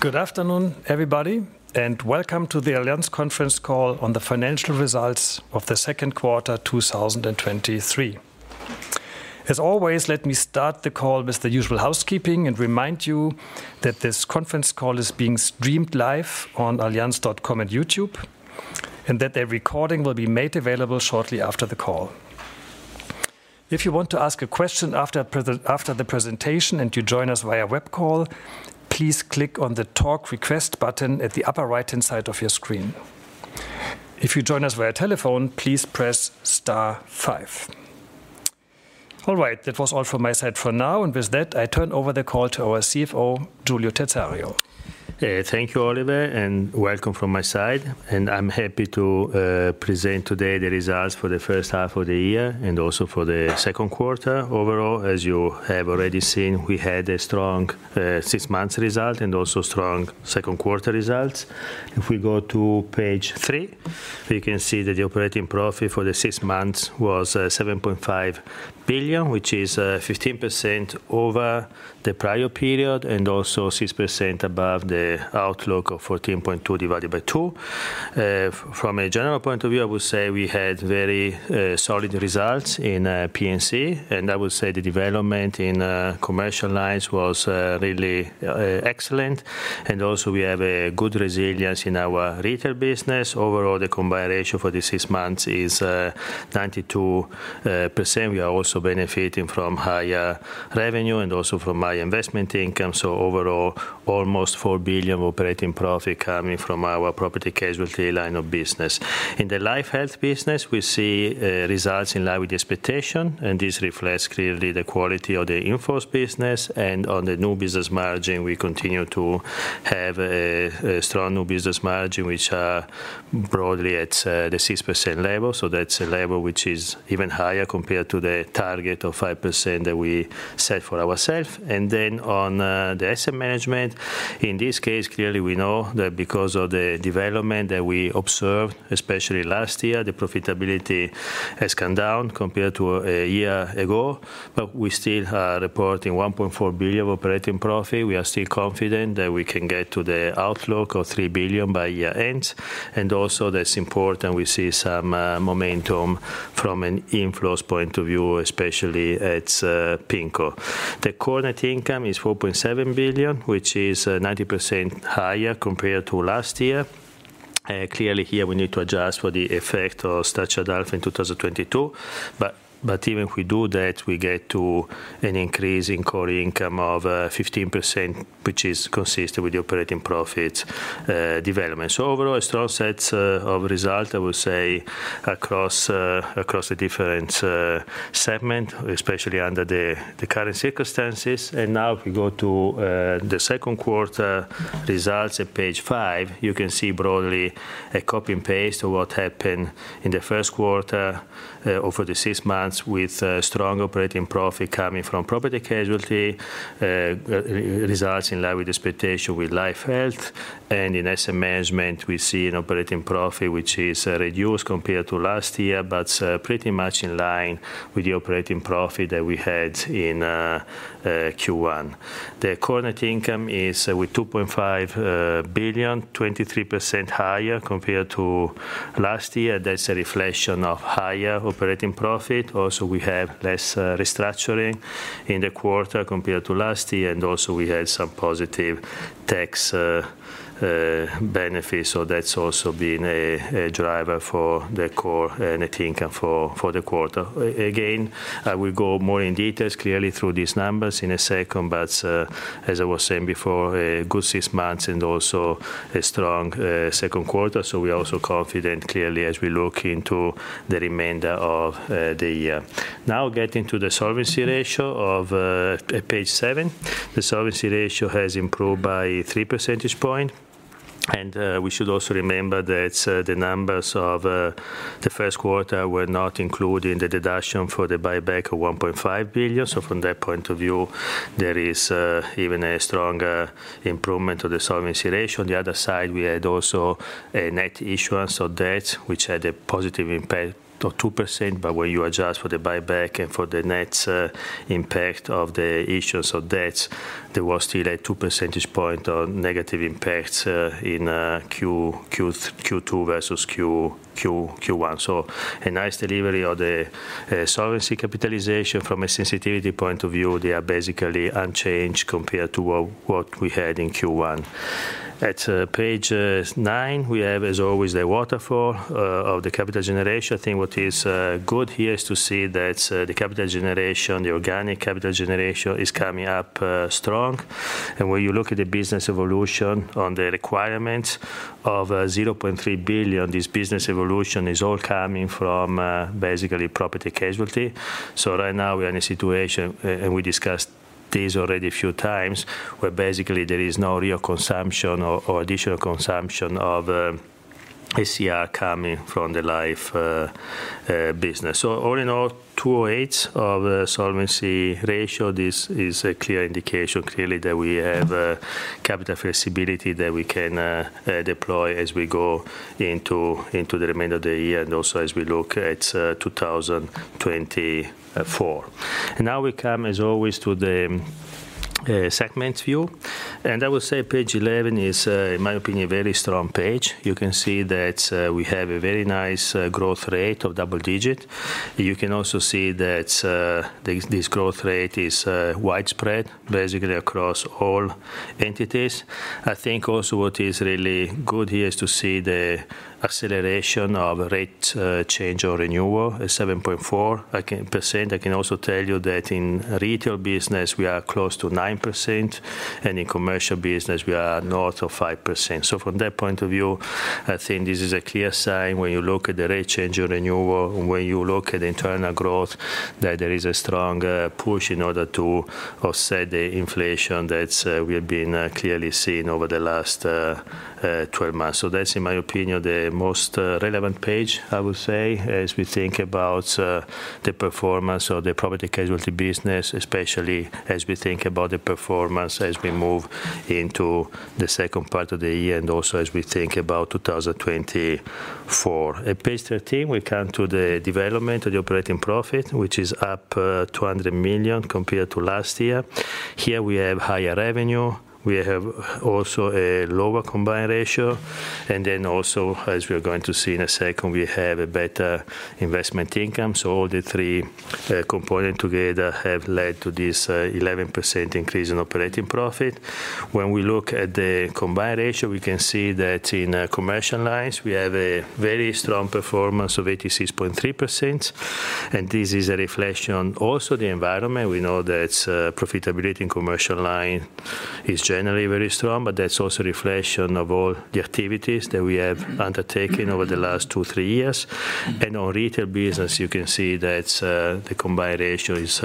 Good afternoon, everybody, welcome to the Allianz conference call on the financial results of the second quarter, 2023. As always, let me start the call with the usual housekeeping, remind you that this conference call is being streamed live on allianz.com and YouTube, that a recording will be made available shortly after the call. If you want to ask a question after the presentation, you join us via web call, please click on the Talk Request button at the upper right-hand side of your screen. If you join us via telephone, please press star five. All right, that was all from my side for now, with that, I turn over the call to our CFO, Giulio Terzariol. Thank you, Oliver. Welcome from my side. I'm happy to present today the results for the first half of the year and also for the second quarter. Overall, as you have already seen, we had a strong six months result and also strong second quarter results. If we go to page three, we can see that the operating profit for the six months was 7.5 billion, which is 15% over the prior period and also 6% above the outlook of 14.2 divided by two. From a general point of view, I would say we had very solid results in P&C. I would say the development in commercial lines was really excellent. Also we have a good resilience in our retail business. Overall, the combined ratio for the six months is 92%. We are also benefiting from higher revenue and also from high investment income. Overall, almost 4 billion operating profit coming from our Property Casualty line of business. In the Life Health business, we see results in line with the expectation, and this reflects clearly the quality of the in-force business. On the new business margin, we continue to have a strong new business margin, which broadly at the 6% level. That's a level which is even higher compared to the target of 5% that we set for ourself. On the asset management, in this case, clearly we know that because of the development that we observed, especially last year, the profitability has come down compared to a year ago. We still are reporting 1.4 billion operating profit. We are still confident that we can get to the outlook of 3 billion by year-end. Also that's important, we see some momentum from an inflows point of view, especially at PIMCO. The core net income is 4.7 billion, which is 90% higher compared to last year. Clearly, here we need to adjust for the effect of Structured Alpha in 2022. Even if we do that, we get to an increase in core income of 15%, which is consistent with the operating profit development. Overall, a strong set of results, I would say, across across the different segment, especially under the current circumstances. Now if we go to the second quarter results at page five, you can see broadly a copy and paste of what happened in the first quarter over the six months, with strong operating profit coming from Property Casualty, r- results in line with expectation with Life Health. In Asset Management, we see an operating profit, which is reduced compared to last year, but pretty much in line with the operating profit that we had in Q1. The core net income is with 2.5 billion, 23% higher compared to last year. That's a reflection of higher operating profit. We have less restructuring in the quarter compared to last year, and also we had some positive tax benefits. That's also been a driver for the core net income for the quarter. Again, I will go more in details clearly through these numbers in a second, but as I was saying before, a good six months and also a strong second quarter. We are also confident, clearly, as we look into the remainder of the year. Now, getting to the solvency ratio at page seven. The solvency ratio has improved by 3 percentage point. We should also remember that the numbers of the first quarter were not included in the deduction for the buyback of 1.5 billion. From that point of view, there is even a stronger improvement to the solvency ratio. On the other side, we had also a net issuance of debt, which had a positive impact of 2%, but when you adjust for the buyback and for the net impact of the issuance of debt, there was still a 2 percentage point of negative impact in Q2 versus Q1. A nice delivery of the solvency capitalization. From a sensitivity point of view, they are basically unchanged compared to what, what we had in Q1. At page nine, we have, as always, the waterfall of the capital generation. I think what is good here is to see that the capital generation, the organic capital generation, is coming up strong. When you look at the business evolution on the requirement of 0.3 billion, this business evolution is all coming from basically Property and Casualty. Right now we are in a situation, and we discussed this already a few times, where basically there is no real consumption or additional consumption of ICR coming from the life business. All in all, 208 of solvency ratio, this is a clear indication, clearly, that we have capital flexibility that we can deploy as we go into the remainder of the year and also as we look at 2024. Now we come, as always, to the segment view. I will say page 11 is, in my opinion, a very strong page. You can see that we have a very nice double-digit growth rate. You can also see that this growth rate is widespread, basically across all entities. I think also what is really good here is to see the acceleration of rate change or renewal is 7.4%. I can also tell you that in retail business we are close to 9%, and in commercial business we are north of 5%. From that point of view, I think this is a clear sign when you look at the rate change or renewal, when you look at internal growth, that there is a strong push in order to offset the inflation that we have been clearly seeing over the last 12 months. That's, in my opinion, the most relevant page, I would say, as we think about the performance of the property casualty business, especially as we think about the performance, as we move into the second part of the year, and also as we think about 2024. At page 13, we come to the development of the operating profit, which is up 200 million compared to last year. Here we have higher revenue. We have also a lower combined ratio, and then also, as we are going to see in a second, we have a better investment income. All the 3 component together have led to this 11% increase in operating profit. When we look at the combined ratio, we can see that in commercial lines, we have a very strong performance of 86.3%, and this is a reflection on also the environment. We know that profitability in commercial line is generally very strong, but that's also a reflection of all the activities that we have undertaken over the last two, three years. On retail business, you can see that the combined ratio is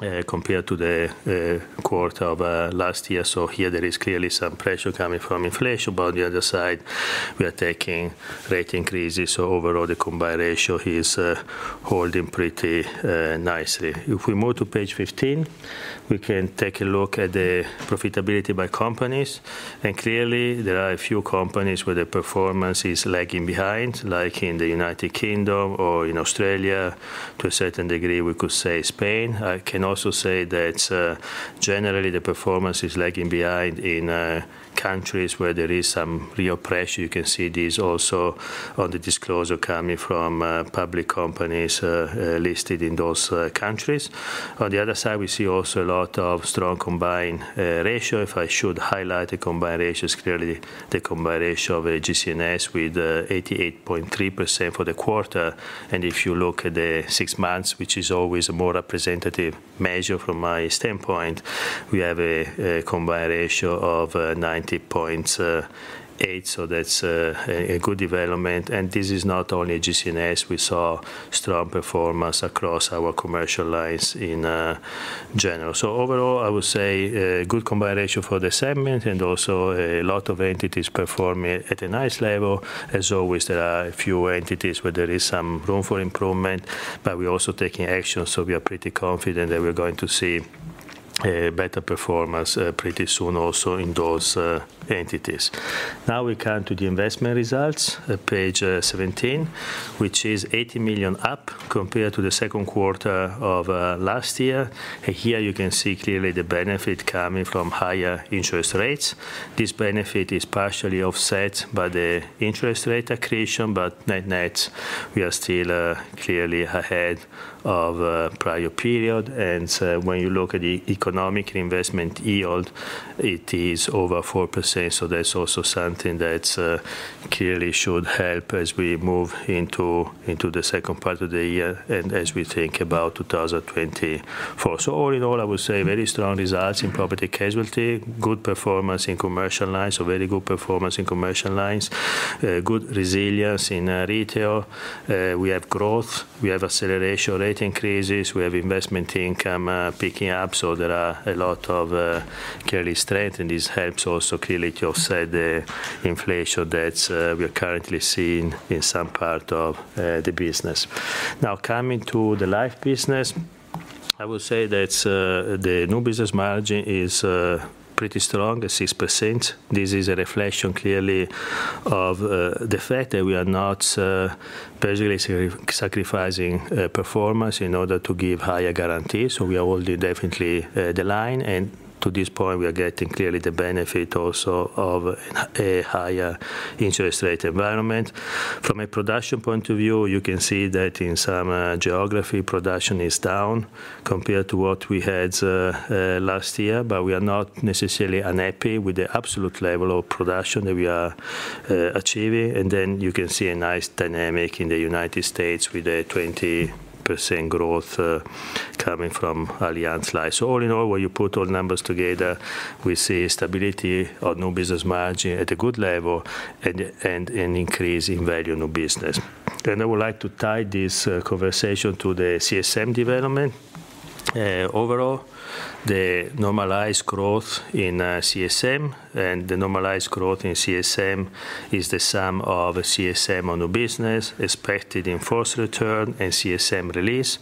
holding compared to the quarter of last year. Here there is clearly some pressure coming from inflation, but on the other side, we are taking rate increases, so overall the combined ratio is holding pretty nicely. If we move to page 15, we can take a look at the profitability by companies. Clearly, there are a few companies where the performance is lagging behind, like in the United Kingdom or in Australia, to a certain degree we could say Spain. I can also say that, generally the performance is lagging behind in countries where there is some real pressure. You can see this also on the disclosure coming from public companies listed in those countries. On the other side, we see also a lot of strong combined ratio. If I should highlight the combined ratio, is clearly the combined ratio of AGCS with 88.3% for the quarter. If you look at the six months, which is always a more representative measure from my standpoint, we have a combined ratio of 90.8. That's a good development. This is not only AGCS. We saw strong performance across our commercial lines in general. Overall, I would say good combined ratio for the segment and also a lot of entities performing at a nice level. As always, there are a few entities where there is some room for improvement, but we're also taking action, so we are pretty confident that we're going to see better performance pretty soon also in those entities. We come to the investment results at page 17, which is 80 million up compared to the second quarter of last year. Here you can see clearly the benefit coming from higher interest rates. This benefit is partially offset by the interest rate accretion, but net net, we are still clearly ahead of prior period. When you look at the economic investment yield, it is over 4%. That's also something that clearly should help as we move into, into the second part of the year and as we think about 2024. All in all, I would say very strong results in property casualty, good performance in commercial lines, a very good performance in commercial lines, good resilience in retail. We have growth, we have acceleration, rate increases, we have investment income picking up, there are a lot of clearly strength, and this helps also clearly to offset the inflation that we are currently seeing in some part of the business. Coming to the life business, I will say that the new business margin is pretty strong, at 6%. This is a reflection, clearly, of the fact that we are not basically sacrificing performance in order to give higher guarantees. We are holding definitely the line, and to this point, we are getting clearly the benefit also of a higher interest rate environment. From a production point of view, you can see that in some geography, production is down compared to what we had last year, but we are not necessarily unhappy with the absolute level of production that we are achieving. Then you can see a nice dynamic in the United States with a 20% growth coming from Allianz Life. All in all, when you put all the numbers together, we see stability of new business margin at a good level and, and, and increase in value in new business. I would like to tie this conversation to the CSM development. Overall, the normalized growth in CSM and the normalized growth in CSM is the sum of CSM on new business expected in first return and CSM release.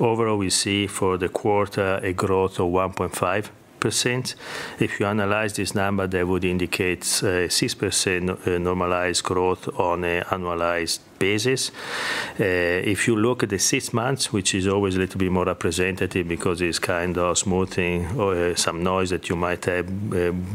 Overall, we see for the quarter a growth of 1.5%. If you analyze this number, that would indicate 6% normalized growth on an annualized basis. If you look at the six months, which is always a little bit more representative because it's kind of smoothing some noise that you might have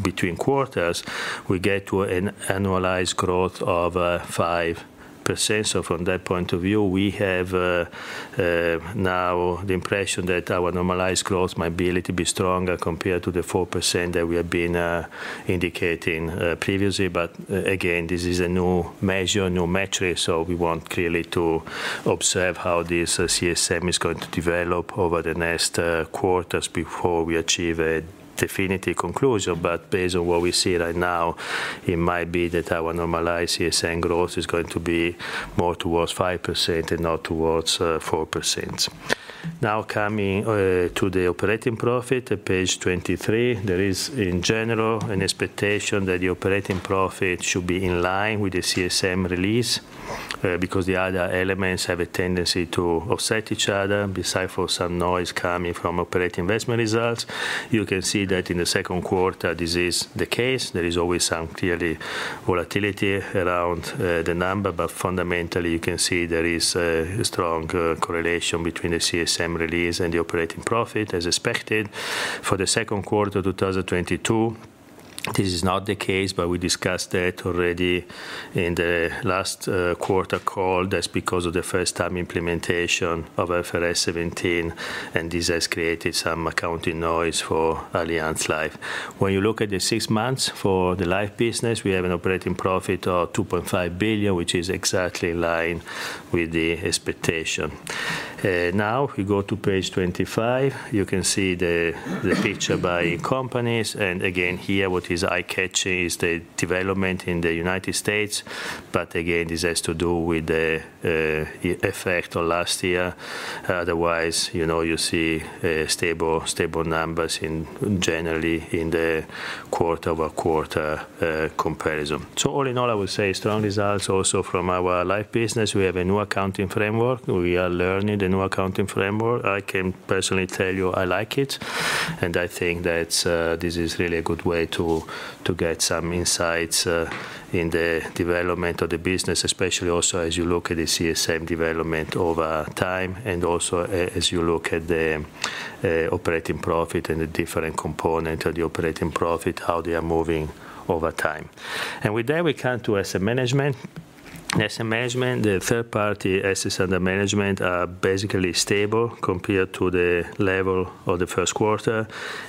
between quarters, we get to an annualized growth of 5%. From that point of view, we have now the impression that our normalized growth might be a little bit stronger compared to the 4% that we have been indicating previously. Again, this is a new measure, new metric, so we want clearly to observe how this CSM is going to develop over the next quarters before we achieve a definitive conclusion. Based on what we see right now, it might be that our normalized CSM growth is going to be more towards 5% and not towards 4%. Now, coming to the operating profit at page 23, there is in general, an expectation that the operating profit should be in line with the CSM release, because the other elements have a tendency to offset each other, besides for some noise coming from operating investment results. You can see that in the second quarter, this is the case. There is always some clearly volatility around, the number, but fundamentally, you can see there is a, a strong, correlation between the CSM release and the operating profit, as expected. For the second quarter of 2022, this is not the case, but we discussed that already in the last quarter call. That's because of the first time implementation of IFRS 17, and this has created some accounting noise for Allianz Life. When you look at the six months for the Life business, we have an operating profit of $2.5 billion, which is exactly in line with the expectation. Now, if you go to page 25, you can see the, the picture by companies. Again, here, what is eye-catching is the development in the United States. Again, this has to do with the effect on last year. Otherwise, you know, you see stable, stable numbers in generally in the quarter-over-quarter comparison. All in all, I would say strong results also from our Life business. We have a new accounting framework. We are learning the new accounting framework. I can personally tell you I like it, and I think that this is really a good way to get some insights in the development of the business, especially also as you look at the CSM development over time, and also as you look at the operating profit and the different component of the operating profit, how they are moving over time. With that, we come to asset management. Asset management, the third-party assets under management are basically stable compared to the level of the first quarter.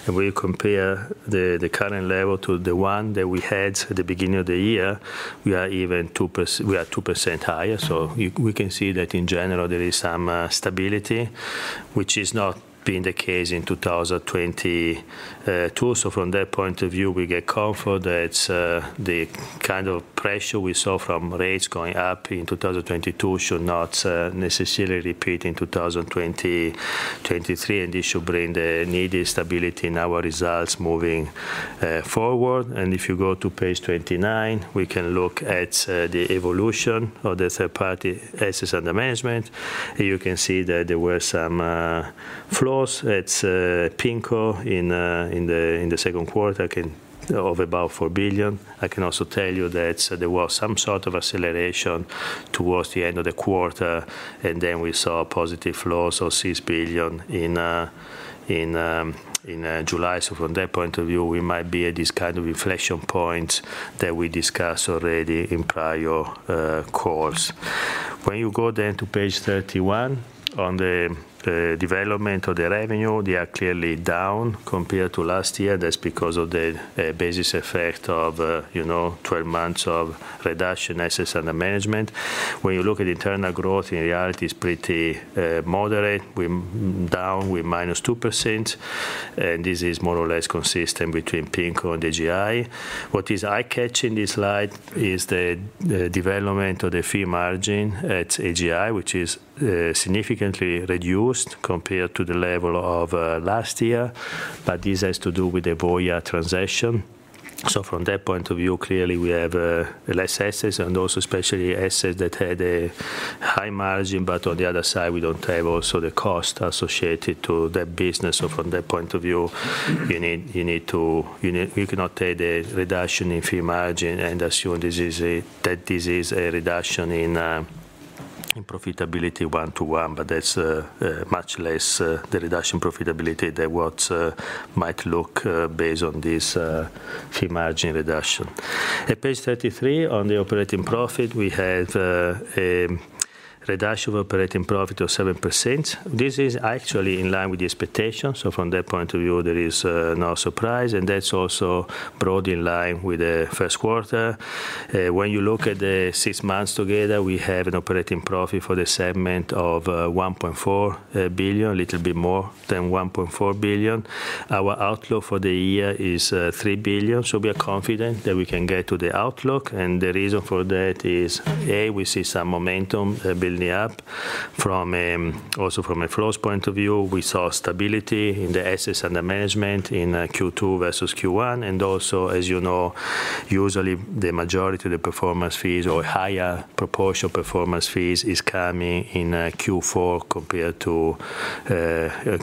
We compare the current level to the one that we had at the beginning of the year, we are even 2% higher. We can see that in general, there is some stability, which is not been the case in 2022. From that point of view, we get comfort that the kind of pressure we saw from rates going up in 2022 should not necessarily repeat in 2023, and this should bring the needed stability in our results moving forward. If you go to page 29, we can look at the evolution of the third-party assets under management. You can see that there were some flows at Ping An in the second quarter of about 4 billion. I can also tell you that there was some sort of acceleration towards the end of the quarter, and then we saw a positive flow, so 6 billion in July. From that point of view, we might be at this kind of inflection point that we discussed already in prior calls. When you go then to page 31, on the development of the revenue, they are clearly down compared to last year. That's because of the basis effect of, you know, 12 months of reduction assets under management. When you look at internal growth, in reality, it's pretty moderate. We're down, we're minus 2%, and this is more or less consistent between Ping An and AGI. What is eye-catching in this slide is the, the development of the fee margin at AGI, which is significantly reduced compared to the level of last year. This has to do with the Voya transaction. From that point of view, clearly we have less assets and also especially assets that had a high margin. On the other side, we don't have also the cost associated to that business. From that point of view, you cannot take a reduction in fee margin and assume this is a, that this is a reduction in profitability one to one. That's much less the reduction profitability than what might look based on this fee margin reduction. At page 33, on the operating profit, we have a reduction of operating profit of 7%. This is actually in line with the expectation. So from that point of view, there is no surprise, and that's also broadly in line with the first quarter. When you look at the six months together, we have an operating profit for the segment of 1.4 billion, a little bit more than 1.4 billion. Our outlook for the year is 3 billion, so we are confident that we can get to the outlook, and the reason for that is, A, we see some momentum building up. From also from a flows point of view, we saw stability in the assets under management in Q2 versus Q1, and also, as you know-... usually the majority of the performance fees or higher proportion performance fees is coming in Q4 compared to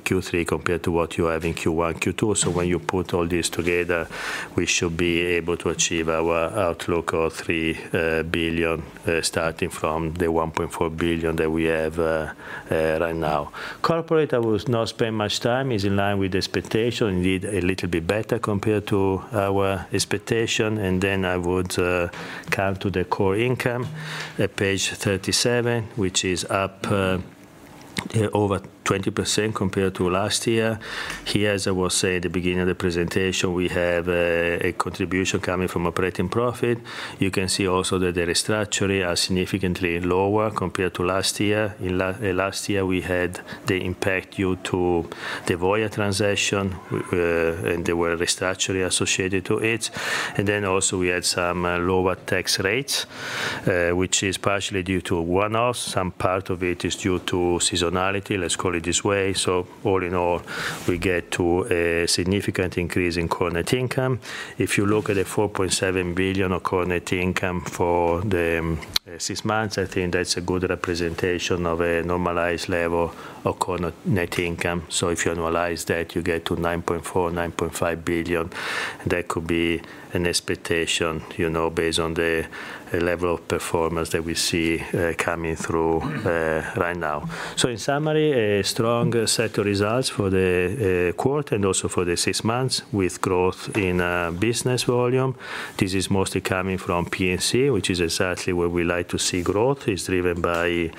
Q3, compared to what you have in Q1, Q2. When you put all this together, we should be able to achieve our outlook of 3 billion, starting from the 1.4 billion that we have right now. Corporate, I will not spend much time, is in line with the expectation, indeed, a little bit better compared to our expectation. I would come to the core income at page 37, which is up over 20% compared to last year. Here, as I was saying at the beginning of the presentation, we have a contribution coming from operating profit. You can see also that the restructuring are significantly lower compared to last year. Last year, we had the impact due to the Voya transaction, and there were restructuring associated to it. Also we had some lower tax rates, which is partially due to one-off. Some part of it is due to seasonality, let's call it this way. All in all, we get to a significant increase in core net income. If you look at the 4.7 billion of core net income for the six months, I think that's a good representation of a normalized level of core net, net income. If you annualize that, you get to 9.4 billion-9.5 billion. That could be an expectation, you know, based on the level of performance that we see coming through right now. In summary, a strong set of results for the quarter and also for the six months, with growth in business volume. This is mostly coming from P&C, which is exactly where we like to see growth. It's driven by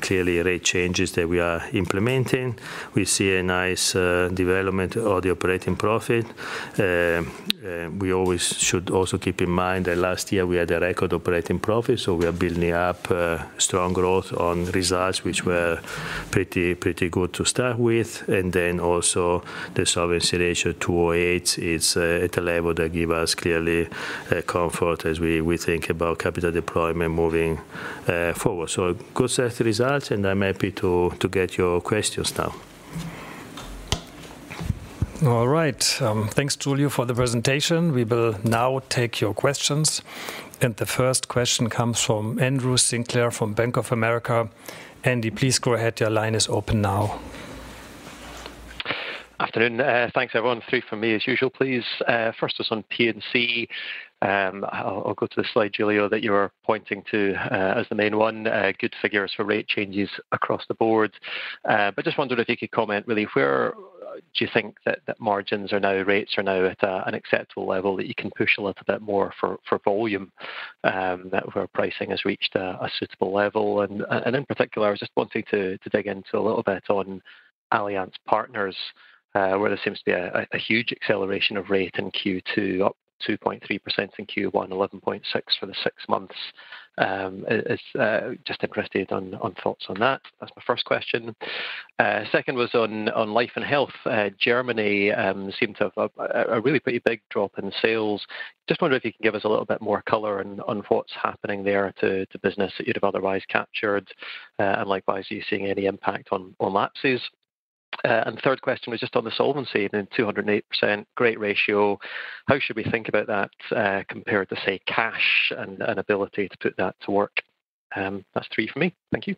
clearly rate changes that we are implementing. We see a nice development of the operating profit. We always should also keep in mind that last year we had a record operating profit, so we are building up strong growth on results, which were pretty, pretty good to start with. Also the solvency ratio, 208, is at a level that give us clearly comfort as we think about capital deployment moving forward. Good set of results, and I'm happy to get your questions now. All right. Thanks, Giulio, for the presentation. We will now take your questions. The first question comes from Andrew Sinclair, from Bank of America. Andy, please go ahead. Your line is open now. Afternoon. Thanks, everyone. Three from me as usual, please. First is on P&C. I'll, I'll go to the slide, Giulio, that you were pointing to as the main one. Good figures for rate changes across the board. Just wondered if you could comment, really, where do you think that, that margins are now, rates are now at an acceptable level, that you can push a little bit more for volume, that where pricing has reached a suitable level? In particular, I was just wanting to dig into a little bit on Allianz Partners, where there seems to be a huge acceleration of rate in Q2, up 2.3% in Q1, 11.6 for the six months. Is just interested on thoughts on that. That's my first question. Second was on, on life and health. Germany seemed to have a really pretty big drop in sales. Just wonder if you can give us a little bit more color on, on what's happening there to business that you'd have otherwise captured. Likewise, are you seeing any impact on, on lapses? The third question was just on the solvency, then 208%, great ratio. How should we think about that compared to, say, cash and ability to put that to work? That's 3 from me. Thank you.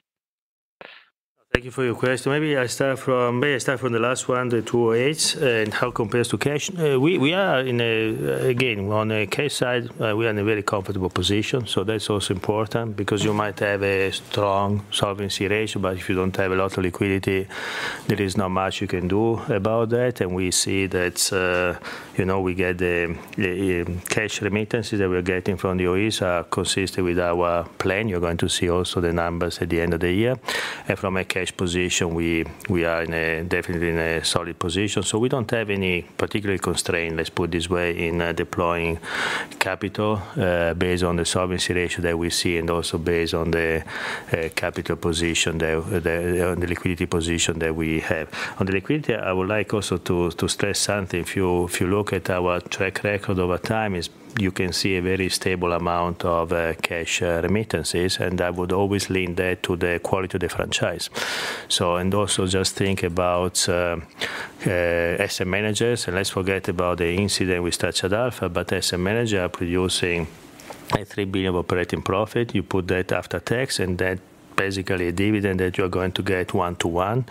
Thank you for your question. Maybe I start from the last one, the 208, and how it compares to cash. Again, on a cash side, we are in a very comfortable position, so that's also important because you might have a strong solvency ratio, but if you don't have a lot of liquidity, there is not much you can do about that. We see that, you know, we get the cash remittances that we're getting from the OEs are consistent with our plan. You're going to see also the numbers at the end of the year. From a cash position, we are in a definitely in a solid position. We don't have any particular constraint, let's put it this way, in deploying capital, based on the solvency ratio that we see and also based on the capital position that the liquidity position that we have. On the liquidity, I would like also to stress something. If you, if you look at our track record over time, is you can see a very stable amount of cash remittances, and I would always link that to the quality of the franchise. And also just think about, as a managers, and let's forget about the incident with Structured Alpha, but as a manager producing a 3 billion operating profit, you put that after tax, and that basically a dividend that you're going to get 1 to 1.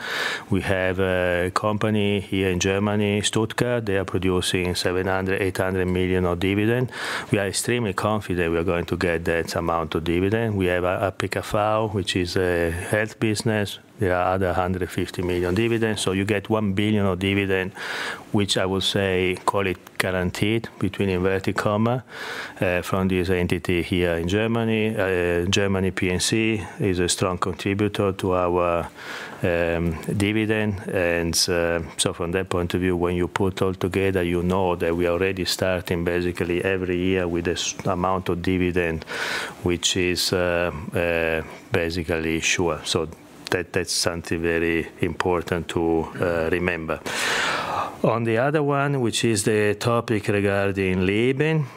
We have a company here in Germany, Stuttgart. They are producing 700 million-800 million of dividend. We are extremely confident we are going to get that amount of dividend. We have APKV, which is a health business. There are other 150 million dividends. You get 1 billion of dividend, which I will say, call it "guaranteed," between inverted comma, from this entity here in Germany. Germany P&C is a strong contributor to our dividend. From that point of view, when you put all together, you know that we are already starting basically every year with this amount of dividend, which is basically sure. That, that's something very important to remember. On the other one, which is the topic regarding Leben,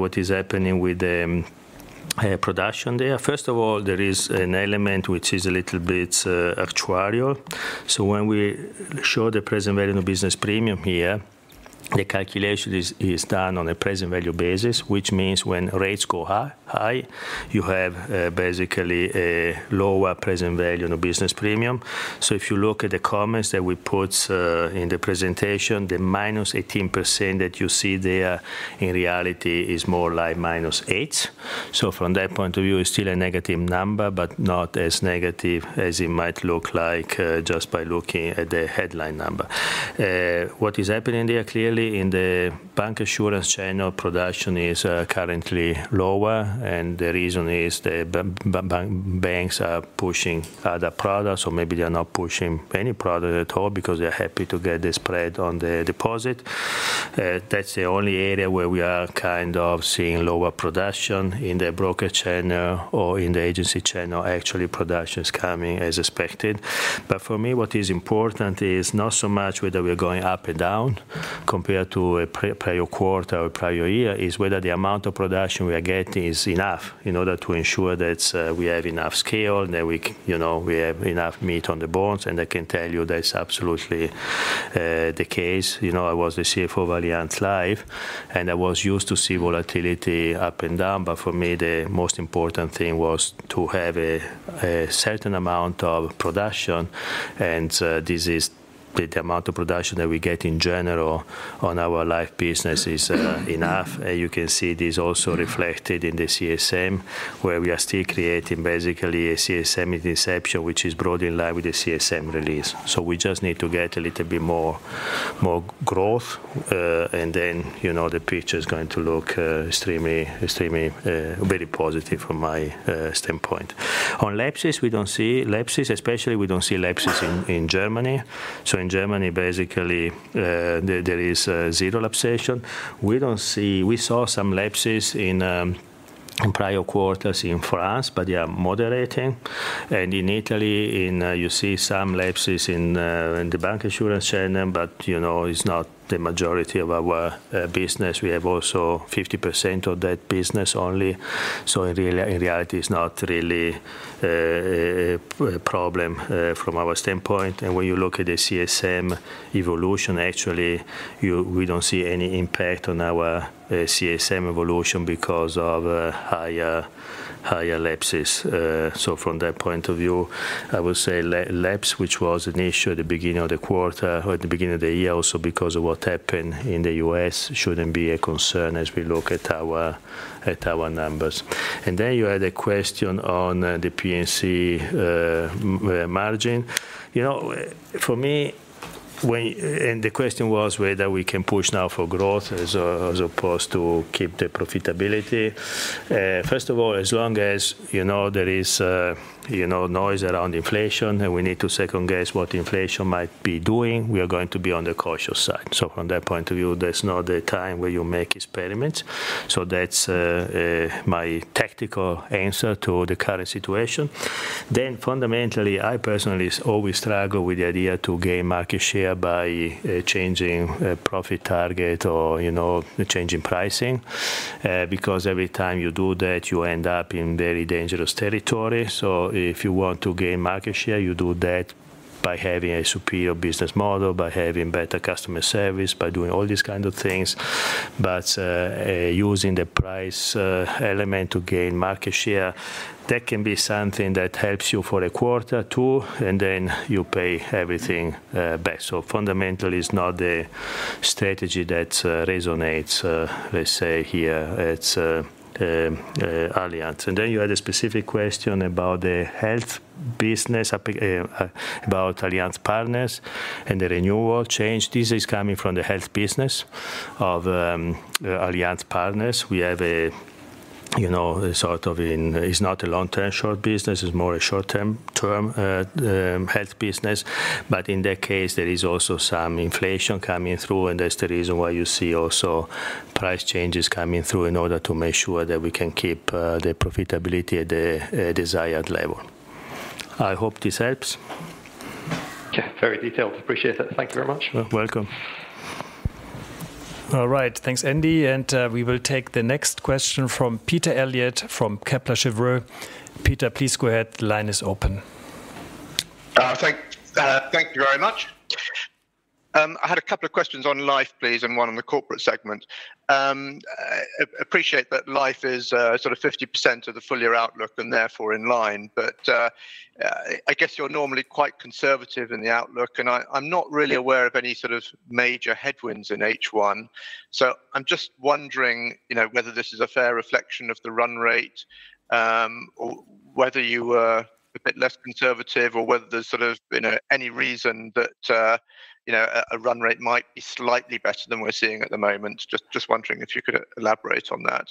what is happening with the production there. First of all, there is an element which is a little bit actuarial. When we show the present value in the business premium here, the calculation is, is done on a present value basis, which means when rates go high, high, you have, basically a lower present value in the business premium. If you look at the comments that we put in the presentation, the minus 18% that you see there, in reality is more like -8. From that point of view, it's still a negative number, but not as negative as it might look like, just by looking at the headline number. What is happening there, clearly in the bank insurance channel, production is currently lower. The reason is the bank, banks are pushing other products, or maybe they are not pushing any product at all because they're happy to get the spread on the deposit. That's the only area where we are kind of seeing lower production. In the broker channel or in the agency channel, actually, production is coming as expected. For me, what is important is not so much whether we are going up and down compared to a prior quarter or prior year, is whether the amount of production we are getting is enough in order to ensure that we have enough scale, that we, you know, we have enough meat on the bones, and I can tell you that is absolutely the case. You know, I was the CFO of Allianz Life, and I was used to see volatility up and down, but for me, the most important thing was to have a, a certain amount of production, and this is the amount of production that we get in general on our life business is enough. You can see this also reflected in the CSM, where we are still creating basically a CSM inception, which is broadly in line with the CSM release. We just need to get a little bit more, more growth, and then, you know, the picture is going to look extremely, extremely very positive from my standpoint. On lapses, we don't see lapses, especially we don't see lapses in, in Germany. In Germany, basically, there, there is zero lapsation. We don't see... We saw some lapses in prior quarters in France. They are moderating. In Italy, you see some lapses in the bank insurance channel, but, you know, it's not the majority of our business. We have also 50% of that business only. In reality, it's not really a problem from our standpoint. When you look at the CSM evolution, actually, we don't see any impact on our CSM evolution because of higher, higher lapses. From that point of view, I would say lapse, which was an issue at the beginning of the quarter or at the beginning of the year, also because of what happened in the US, shouldn't be a concern as we look at our, at our numbers. Then you had a question on the P&C margin. You know, the question was whether we can push now for growth as opposed to keep the profitability. First of all, as long as, you know, there is, you know, noise around inflation, and we need to second-guess what inflation might be doing, we are going to be on the cautious side. From that point of view, that's not the time where you make experiments. That's my tactical answer to the current situation. Fundamentally, I personally always struggle with the idea to gain market share by changing profit target or, you know, changing pricing because every time you do that, you end up in very dangerous territory. If you want to gain market share, you do that by having a superior business model, by having better customer service, by doing all these kind of things. Using the price element to gain market share, that can be something that helps you for a quarter or two, and then you pay everything back. Fundamentally, it's not a strategy that resonates, let's say, here at Allianz. And then you had a specific question about the health business about Allianz Partners and the renewal change. This is coming from the health business of Allianz Partners. We have a, you know, a sort of in, it's not a long-term short business, it's more a short-term, term health business. In that case, there is also some inflation coming through, and that's the reason why you see also price changes coming through in order to make sure that we can keep the profitability at the desired level. I hope this helps. Yeah, very detailed. Appreciate it. Thank you very much. You're welcome. All right. Thanks, Andy, and we will take the next question from Peter Eliot from Kepler Cheuvreux. Peter, please go ahead. The line is open. Thank you very much. I had a couple of questions on Life, please, and one on the corporate segment. Appreciate that Life is, sort of 50% of the full-year outlook and therefore in line, but, I guess you're normally quite conservative in the outlook, and I, I'm not really aware of any sort of major headwinds in H1. I'm just wondering, you know, whether this is a fair reflection of the run rate, or whether you were a bit less conservative or whether there's sort of, you know, any reason that, you know, a run rate might be slightly better than we're seeing at the moment? Just wondering if you could elaborate on that.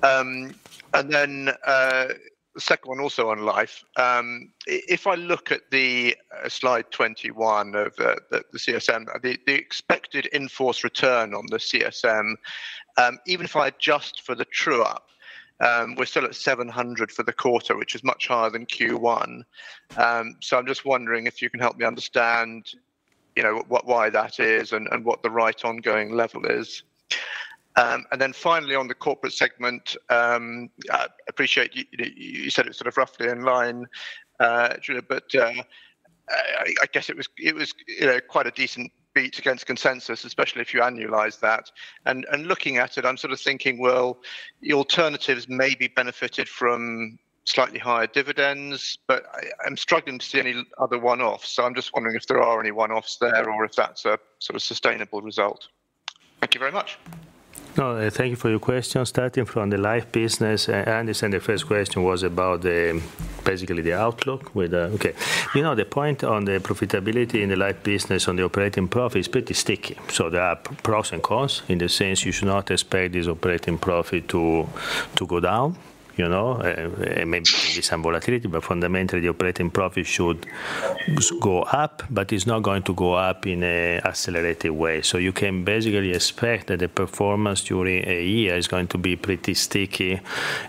Then, the second one, also on Life. If I look at the slide 21 of the, the CSM, the, the expected in-force return on the CSM, even if I adjust for the true up, we're still at 700 for the quarter, which is much higher than Q1. I'm just wondering if you can help me understand, you know, what, why that is and, and what the right ongoing level is. Then finally, on the corporate segment, I appreciate you, you said it sort of roughly in line, but I, I guess it was, it was, you know, quite a decent beat against consensus, especially if you annualize that. Looking at it, I'm sort of thinking, well, the alternatives may be benefited from slightly higher dividends, but I, I'm struggling to see any other one-offs. I'm just wondering if there are any one-offs there or if that's a sort of sustainable result. Thank you very much. No, thank you for your question. Starting from the life business, I understand the first question was about the, basically the outlook with... Okay. You know, the point on the profitability in the life business on the operating profit is pretty sticky. There are pros and cons. In the sense, you should not expect this operating profit to go down, you know, and maybe some volatility, but fundamentally, the operating profit should go up, but it's not going to go up in a accelerated way. You can basically expect that the performance during a year is going to be pretty sticky,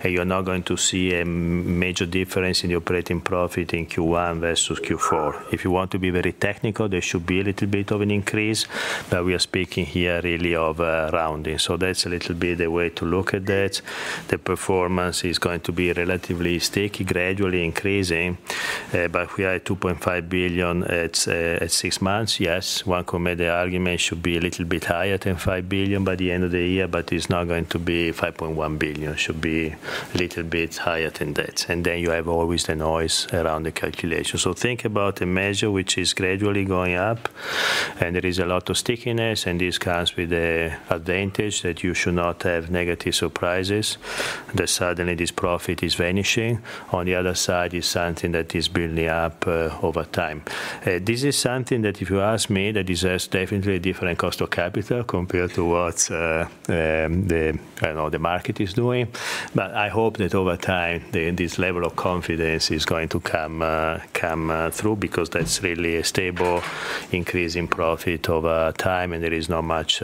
and you're not going to see a major difference in the operating profit in Q1 versus Q4. If you want to be very technical, there should be a little bit of an increase, but we are speaking here really of rounding. That's a little bit the way to look at that. The performance is going to be relatively sticky, gradually increasing, but we are at 2.5 billion at six months. Yes, one could make the argument should be a little bit higher than 5 billion by the end of the year, but it's not going to be 5.1 billion. It should be a little bit higher than that. You have always the noise around the calculation. Think about a measure which is gradually going up, and there is a lot of stickiness, and this comes with the advantage that you should not have negative surprises, that suddenly this profit is vanishing. On the other side, is something that is building up over time. This is something that, if you ask me, that deserves definitely a different cost of capital compared to what the, I don't know, the market is doing. I hope that over time, the, this level of confidence is going to come, come through, because that's really a stable increase in profit over time, and there is not much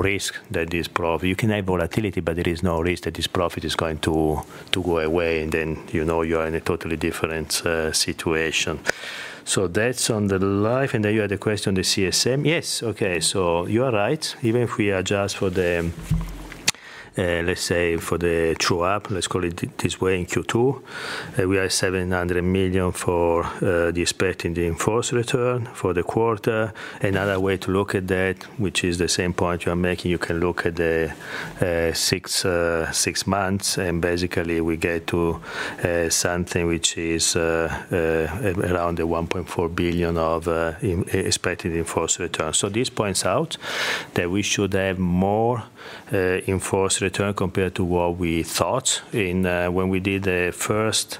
risk that this profit... You can have volatility, but there is no risk that this profit is going to go away, and then, you know, you are in a totally different situation. That's on the life. Then you had a question on the CSM. Yes, okay, so you are right. Even if we adjust for the, let's say, for the true up, let's call it this way, in Q2, we are 700 million for the expected in the enforced return for the quarter. Another way to look at that, which is the same point you are making, you can look at the 6, six months, and basically we get to something which is around the 1.4 billion of expected enforced return. This points out that we should have more enforced return compared to what we thought in when we did the first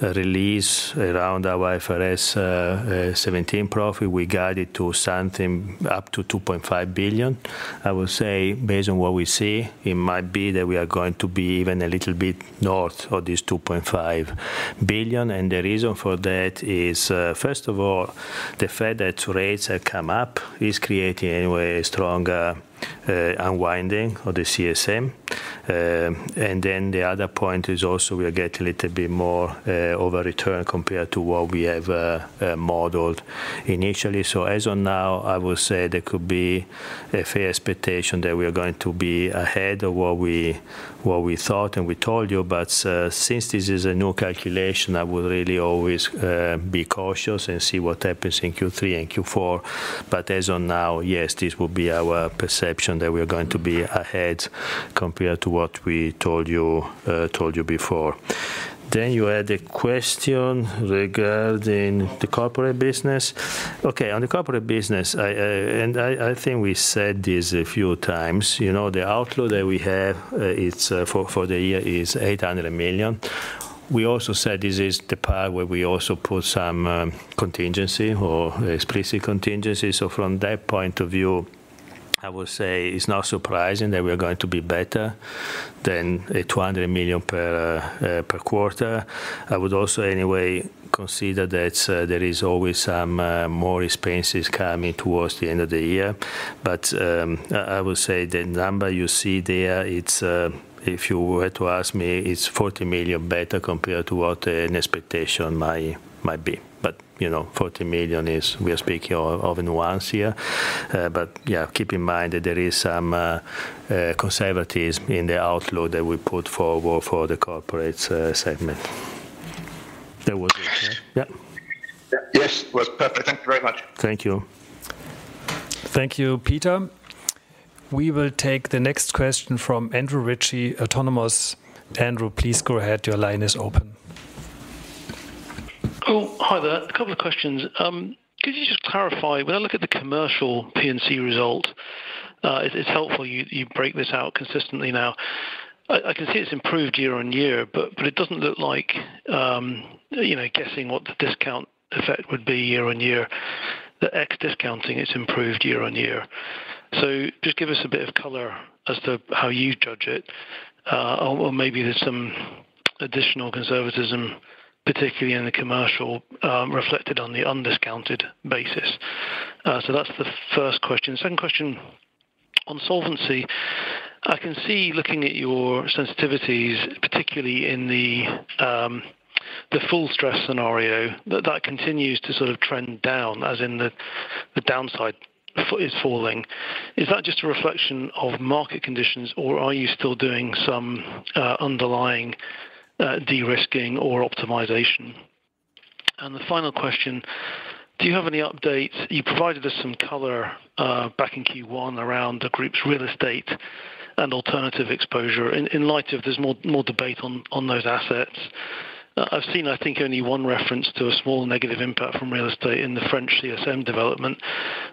release around our IFRS 17 profit, we guided to something up to 2.5 billion. I will say, based on what we see, it might be that we are going to be even a little bit north of this 2.5 billion. The reason for that is, first of all, the fact that rates have come up is creating anyway a stronger unwinding of the CSM. The other point is also we are getting a little bit more over return compared to what we have modeled initially. As on now, I will say there could be a fair expectation that we are going to be ahead of what we, what we thought and we told you. Since this is a new calculation, I will really always be cautious and see what happens in Q3 and Q4. As on now, yes, this will be our perception that we are going to be ahead compared to what we told you, told you before. You had a question regarding the corporate business. On the corporate business, I, and I, I think we said this a few times, you know, the outlook that we have, it's, for, for the year is 800 million. We also said this is the part where we also put some contingency or explicit contingency. From that point of view, I would say it's not surprising that we are going to be better than a 200 million per quarter. I would also anyway consider that, there is always some more expenses coming towards the end of the year. I, I would say the number you see there, it's, if you were to ask me, it's 40 million better compared to what an expectation might, might be. You know, 40 million is, we are speaking of, of a nuance here. Yeah, keep in mind that there is some conservatism in the outlook that we put forward for the corporate segment. That was it, yeah? Yeah. Yes, it was perfect. Thank you very much. Thank you. Thank you, Peter. We will take the next question from Andrew Ritchie, Autonomous. Andrew, please go ahead. Your line is open. Cool. Hi there. A couple of questions. Could you just clarify, when I look at the commercial P&C result, it's helpful you, you break this out consistently now. I, I can see it's improved year-on-year, but, but it doesn't look like, you know, guessing what the discount effect would be year-on-year, the X discounting, it's improved year-on-year. Just give us a bit of color as to how you judge it, or maybe there's some additional conservatism, particularly in the commercial, reflected on the undiscounted basis. That's the first question. Second question. On solvency, I can see looking at your sensitivities, particularly in the, the full stress scenario, that that continues to sort of trend down, as in the, the downside is falling. Is that just a reflection of market conditions, or are you still doing some underlying de-risking or optimization? The final question: do you have any updates? You provided us some color back in Q1 around the group's real estate and alternative exposure. In light of there's more debate on those assets, I've seen, I think, only one reference to a small negative impact from real estate in the French CSM development.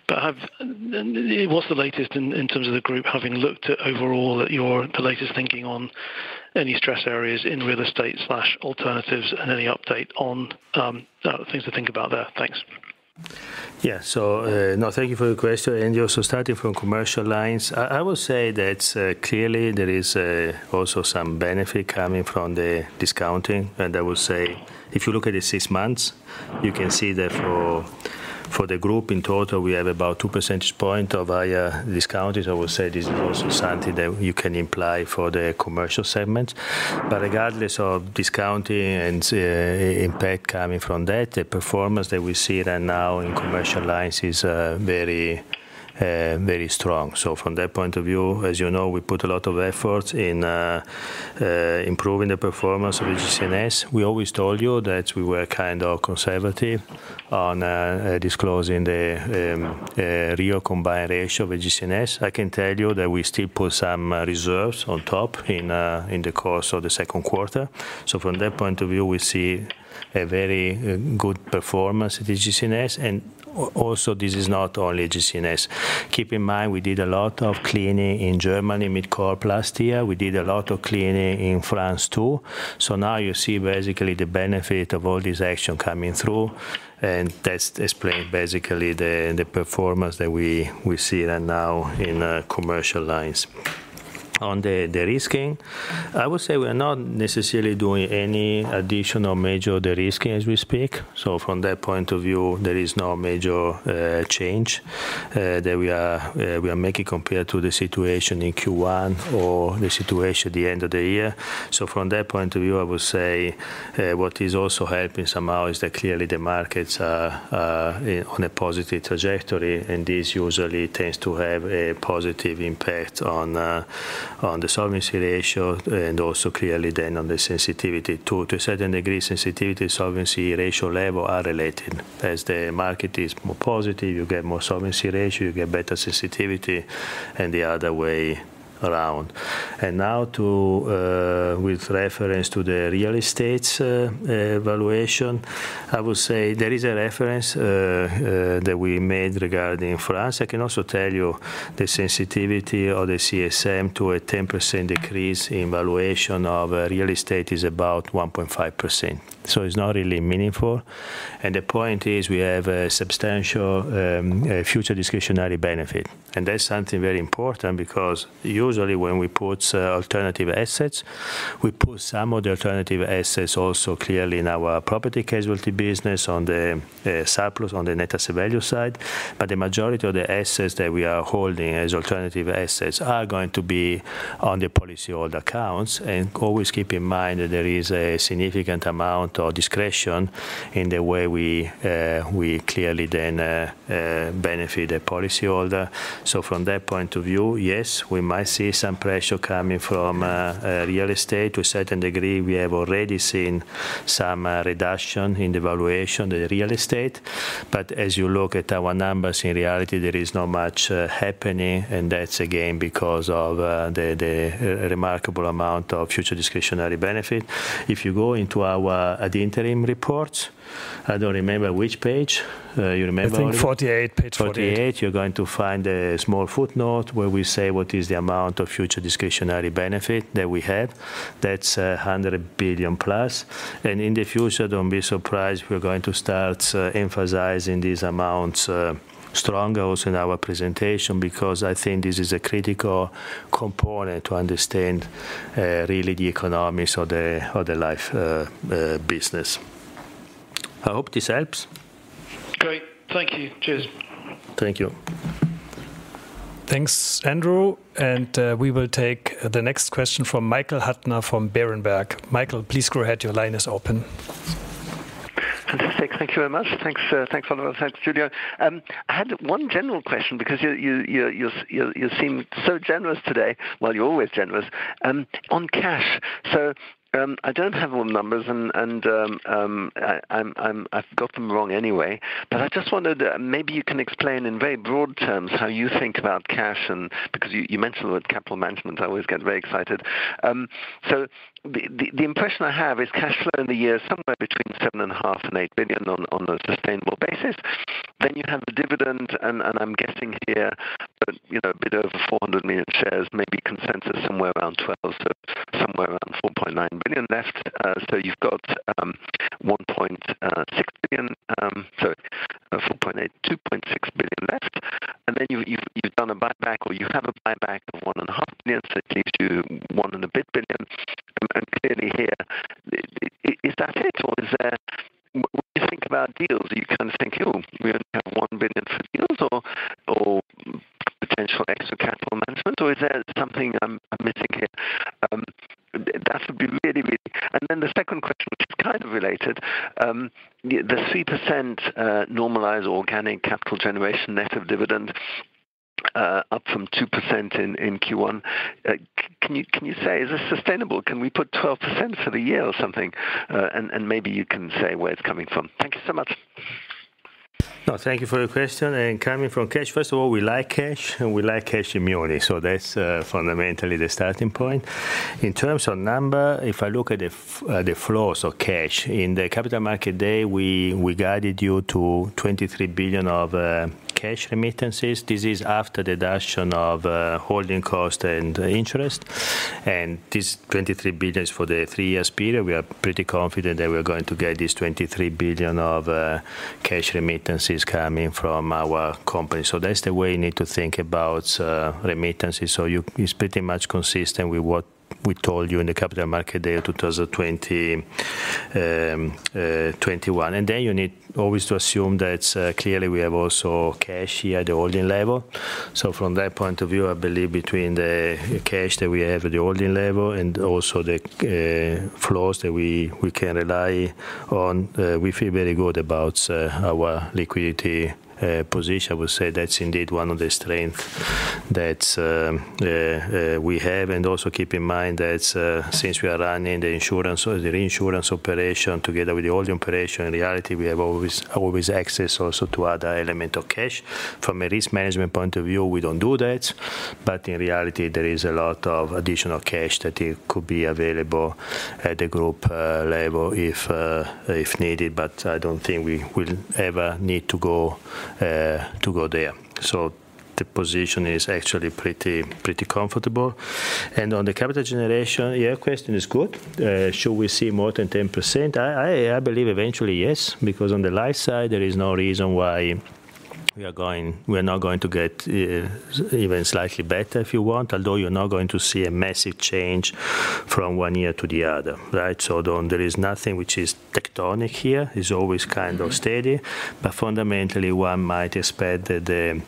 Have what's the latest in terms of the group having looked at overall at your latest thinking on any stress areas in real estate/alternatives and any update on things to think about there? Thanks. Yeah. No, thank you for the question. Also starting from commercial lines, I, I will say that, clearly there is also some benefit coming from the discounting. I will say, if you look at the six months, you can see that for, for the group in total, we have about 2 percentage point of higher discounting. I will say this is also something that you can imply for the commercial segment. Regardless of discounting and impact coming from that, the performance that we see right now in commercial lines is very, very strong. From that point of view, as you know, we put a lot of effort in improving the performance of GCNS. We always told you that we were kind of conservative on disclosing the real combined ratio of GCNS. I can tell you that we still put some reserves on top in the course of the second quarter. From that point of view, we see a very good performance at AGCS, and also, this is not only AGCS. Keep in mind, we did a lot of cleaning in Germany Mid-corporate last year. We did a lot of cleaning in France, too. Now you see basically the benefit of all this action coming through, and that's explained basically the performance that we see right now in commercial lines. On the de-risking, I would say we are not necessarily doing any additional major de-risking as we speak. From that point of view, there is no major change that we are making compared to the situation in Q1 or the situation at the end of the year. From that point of view, I will say, what is also helping somehow is that clearly the markets are on a positive trajectory, and this usually tends to have a positive impact on the solvency ratio and also clearly then on the sensitivity, too. To a certain degree, sensitivity, solvency, ratio level are related. As the market is more positive, you get more solvency ratio, you get better sensitivity, and the other way around. Now to with reference to the real estates valuation, I will say there is a reference that we made regarding France. I can also tell you the sensitivity of the CSM to a 10% decrease in valuation of real estate is about 1.5%, so it's not really meaningful. The point is, we have a substantial future discretionary benefits, and that's something very important because usually when we put alternative assets, we put some of the alternative assets also clearly in our Property and Casualty business on the surplus, on the net asset value side. The majority of the assets that we are holding as alternative assets are going to be on the policyholder accounts. Always keep in mind that there is a significant amount of discretion in the way we clearly then benefit the policyholder. From that point of view, yes, we might see some pressure coming from real estate. To a certain degree, we have already seen some reduction in the valuation of the real estate. As you look at our numbers, in reality, there is not much happening, and that's again, because of the, the, remarkable amount of future discretionary benefits. If you go into our, the interim reports, I don't remember which page. You remember? I think 48, page 48. 48, you're going to find a small footnote where we say what is the amount of future discretionary benefits that we have. That's 100 billion+. In the future, don't be surprised if we're going to start emphasizing these amounts stronger also in our presentation, because I think this is a critical component to understand really the economics of the, of the life business. I hope this helps. Great. Thank you. Cheers. Thank you. Thanks, Andrew. We will take the next question from Michael Huttner from Berenberg. Michael, please go ahead. Your line is open. Fantastic. Thank you very much. Thanks, thanks, Oliver. Thanks, Giulio. I had one general question because you seem so generous today, well, you're always generous, on cash. I don't have all the numbers and, I've got them wrong anyway. I just wondered, maybe you can explain in very broad terms, how you think about cash and because you mentioned the word capital management. I always get very excited. The impression I have is cash flow in the year, somewhere between 7.5 billion and 8 billion on a sustainable basis. You have the dividend, I'm guessing here, you know, a bit over 400 million shares, maybe consensus, somewhere around 12, somewhere around 4.9 billion left. You've got 1.6 billion, 4.8, 2.6 billion left. You've, you've, you've done a buyback or you have a buyback of 1.5 billion, it takes you 1 and a bit billion. Clearly here, is that it, or is there think about deals. You kind of think, oh, we only have 1 billion for deals or, or potential extra capital management, or is there something I'm, I'm missing here? That would be really, really. The second question, which is kind of related, the 3% normalized organic capital generation net of dividend, up from 2% in Q1. Can you, can you say, is this sustainable? Can we put 12% for the year or something? Maybe you can say where it's coming from. Thank you so much. No, thank you for the question, coming from cash, first of all, we like cash, and we like cash immunity, so that's fundamentally the starting point. In terms of number, if I look at the flows of cash, in the Capital Markets Day, we, we guided you to 23 billion of cash remittances. This is after the deduction of holding cost and interest. This 23 billion is for the three years period. We are pretty confident that we are going to get this 23 billion of cash remittances coming from our company. That's the way you need to think about remittances. It's pretty much consistent with what we told you in the Capital Markets Day, 2020, 2021. Then you need always to assume that, clearly we have also cash here at the holding level. From that point of view, I believe between the cash that we have at the holding level and also the flows that we, we can rely on, we feel very good about our liquidity position. I would say that's indeed one of the strength that we have. Also keep in mind that, since we are running the insurance or the reinsurance operation together with the holding operation, in reality, we have always, always access also to other element of cash. From a risk management point of view, we don't do that, but in reality, there is a lot of additional cash that could be available at the group level if if needed, but I don't think we will ever need to go to go there. The position is actually pretty, pretty comfortable. On the capital generation, your question is good. Should we see more than 10%? I, I, I believe eventually, yes, because on the life side, there is no reason why we are going, we are not going to get even slightly better, if you want, although you're not going to see a massive change from one year to the other, right? There is nothing which is tectonic here. It's always kind of steady, but fundamentally, one might expect that the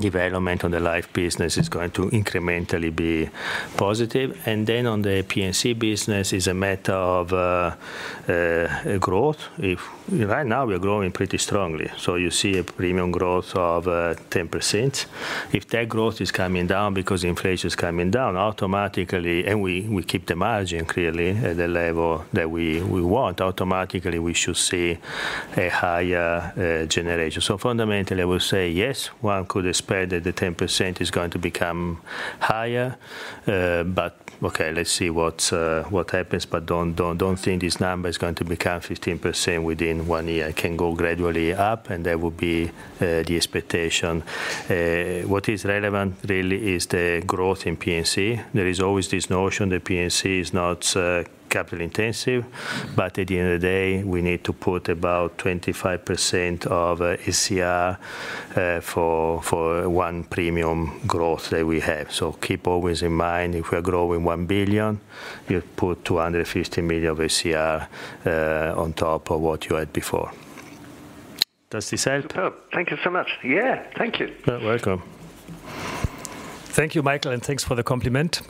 development on the life business is going to incrementally be positive. Then on the P&C business, it's a matter of growth. If right now, we are growing pretty strongly, so you see a premium growth of 10%. If that growth is coming down because inflation is coming down, automatically, and we, we keep the margin clearly at the level that we, we want, automatically, we should see a higher generation. Fundamentally, I will say yes, one could expect that the 10% is going to become higher, but okay, let's see what happens, but don't, don't, don't think this number is going to become 15% within 1 year. It can go gradually up, and that will be the expectation. What is relevant really is the growth in P&C. There is always this notion that P&C is not capital intensive, but at the end of the day, we need to put about 25% of ECR for one premium growth that we have. Keep always in mind, if we are growing 1 billion, you put 250 million of ECR on top of what you had before. Does this help? Superb. Thank you so much. Yeah, thank you. You're welcome. Thank you, Michael, and thanks for the compliment.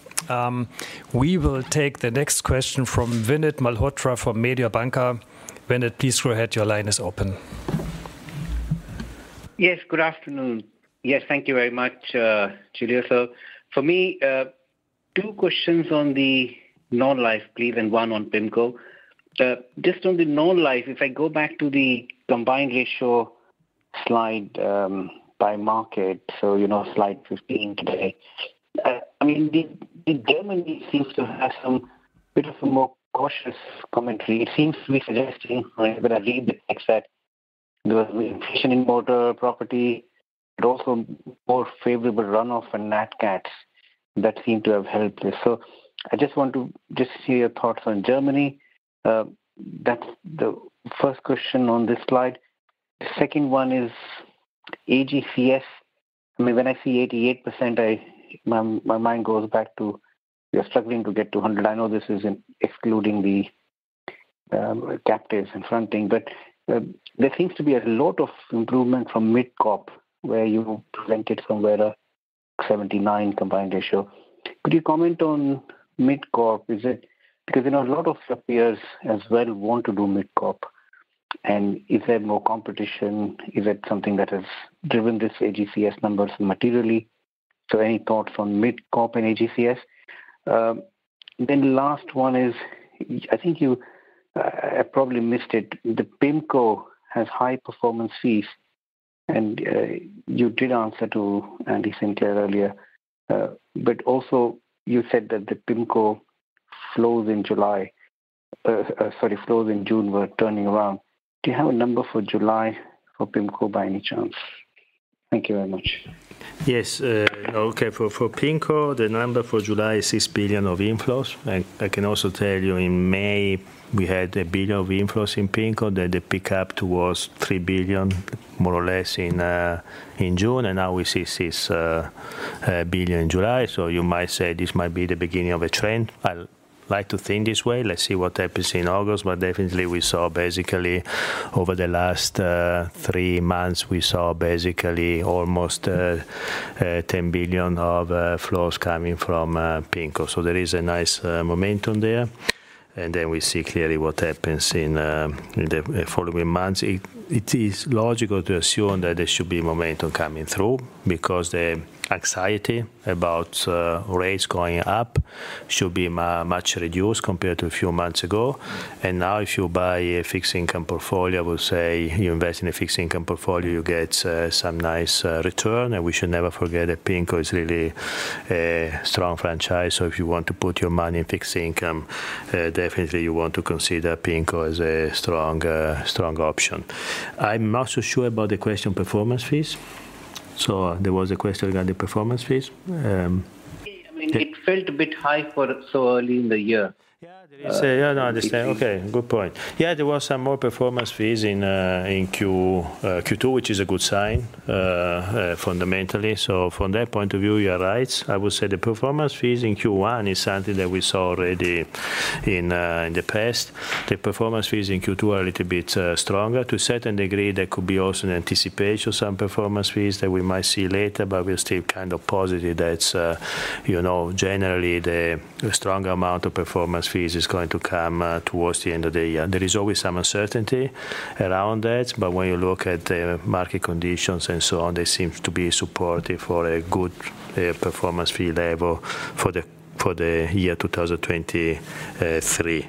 We will take the next question from Vinit Malhotra from Mediobanca. Vinit, please go ahead. Your line is open. Yes, good afternoon. Yes, thank you very much, Giulio. For me, two questions on the non-life, please, and 1 on PIMCO. Just on the non-life, if I go back to the combined ratio slide, by market, you know, slide 15 today. I mean, the Germany seems to have some bit of a more cautious commentary. It seems to be suggesting, when I read the text that there was inflation in motor property, but also more favorable runoff in nat cats that seem to have helped this. I just want to just hear your thoughts on Germany. That's the first question on this slide. The second one is AGCS. I mean, when I see 88%, my mind goes back to we are struggling to get to 100. I know this is including the captives and fronting, but there seems to be a lot of improvement from MidCorp, where you went it from where 79% combined ratio. Could you comment on MidCorp? Is it because I know a lot of your peers as well want to do MidCorp, and is there more competition? Is that something that has driven this AGCS numbers materially? Any thoughts on MidCorp and AGCS? The last one is, I think you probably missed it. The PIMCO has high performance fees, and you did answer to Andy Sinclair earlier, but also you said that the PIMCO flows in July, sorry, flows in June were turning around. Do you have a number for July for PIMCO by any chance? Thank you very much. Yes, okay. For, for PIMCO, the number for July is 6 billion of inflows. I can also tell you in May, we had 1 billion of inflows in PIMCO, that the pickup towards 3 billion, more or less, in June, and now we see 6 billion in July. You might say this might be the beginning of a trend. Like to think this way. Let's see what happens in August. Definitely, we saw basically, over the last three months, we saw basically almost 10 billion of flows coming from PIMCO. There is a nice momentum there, we see clearly what happens in the following months. It, it is logical to assume that there should be momentum coming through, because the anxiety about rates going up should be much reduced compared to a few months ago. Now if you buy a fixed income portfolio, I will say you invest in a fixed income portfolio, you get some nice return. We should never forget that PIMCO is really a strong franchise, so if you want to put your money in fixed income, definitely you want to consider PIMCO as a strong, strong option. I'm not so sure about the question performance fees. There was a question regarding performance fees. I mean, it felt a bit high for so early in the year. Yeah, there is. Yeah, no, I understand. Okay, good point. Yeah, there were some more performance fees in Q2, which is a good sign fundamentally. From that point of view, you are right. I would say the performance fees in Q1 is something that we saw already in the past. The performance fees in Q2 are a little bit stronger. To a certain degree, there could be also an anticipation of some performance fees that we might see later, but we're still kind of positive that, you know, generally the stronger amount of performance fees is going to come towards the end of the year. There is always some uncertainty around that, when you look at the market conditions and so on, they seem to be supportive for a good performance fee level for the year 2023.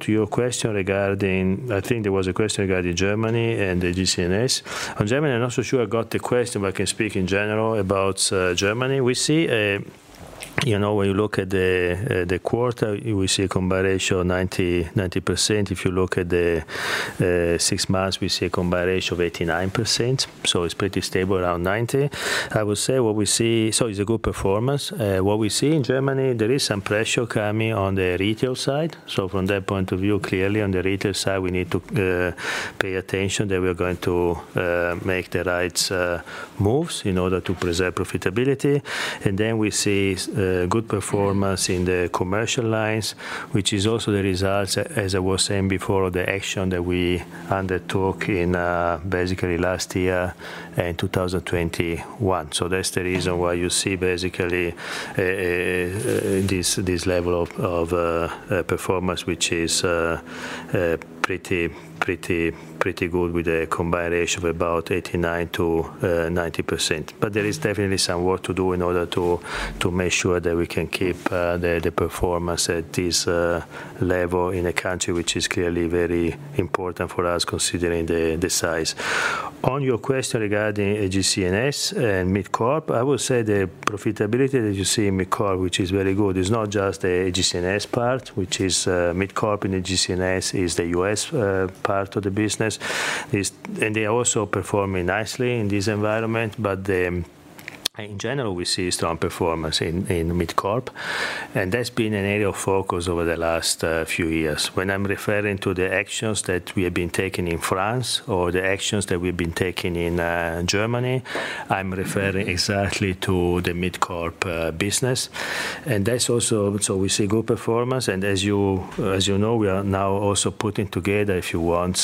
To your question regarding... I think there was a question regarding Germany and the AGCS. On Germany, I'm not so sure I got the question, but I can speak in general about Germany. We see, you know, when you look at the quarter, we see a combined ratio of 90%. If you look at the six months, we see a combined ratio of 89%, so it's pretty stable around 90. I would say what we see, so it's a good performance. What we see in Germany, there is some pressure coming on the retail side. From that point of view, clearly on the retail side, we need to pay attention that we are going to make the right moves in order to preserve profitability. We see good performance in the commercial lines, which is also the results, as I was saying before, the action that we undertook in basically last year in 2021. That's the reason why you see basically this, this level of performance, which is pretty, pretty, pretty good with a combined ratio of about 89%-90%. There is definitely some work to do in order to make sure that we can keep the performance at this level in a country which is clearly very important for us, considering the size. On your question regarding AGCS and MidCorp, I would say the profitability that you see in MidCorp, which is very good, is not just the AGCS part, which is, MidCorp and AGCS is the U.S. part of the business. They are also performing nicely in this environment. In general, we see strong performance in MidCorp, and that's been an area of focus over the last few years. When I'm referring to the actions that we have been taking in France or the actions that we've been taking in Germany, I'm referring exactly to the MidCorp business. That's also, so we see good performance, and as you, as you know, we are now also putting together, if you want,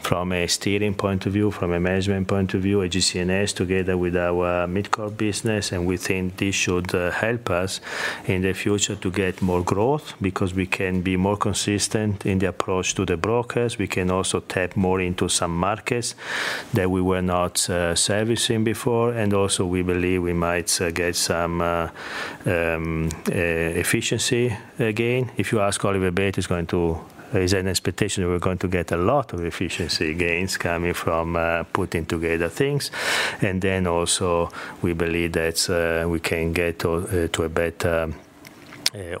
from a steering point of view, from a management point of view, AGCS, together with our MidCorp business, and we think this should help us in the future to get more growth, because we can be more consistent in the approach to the brokers. We can also tap more into some markets that we were not servicing before. Also, we believe we might get some efficiency gain. If you ask Oliver Bäte, he's going to... There's an expectation that we're going to get a lot of efficiency gains coming from putting together things. Then also, we believe that we can get to to a better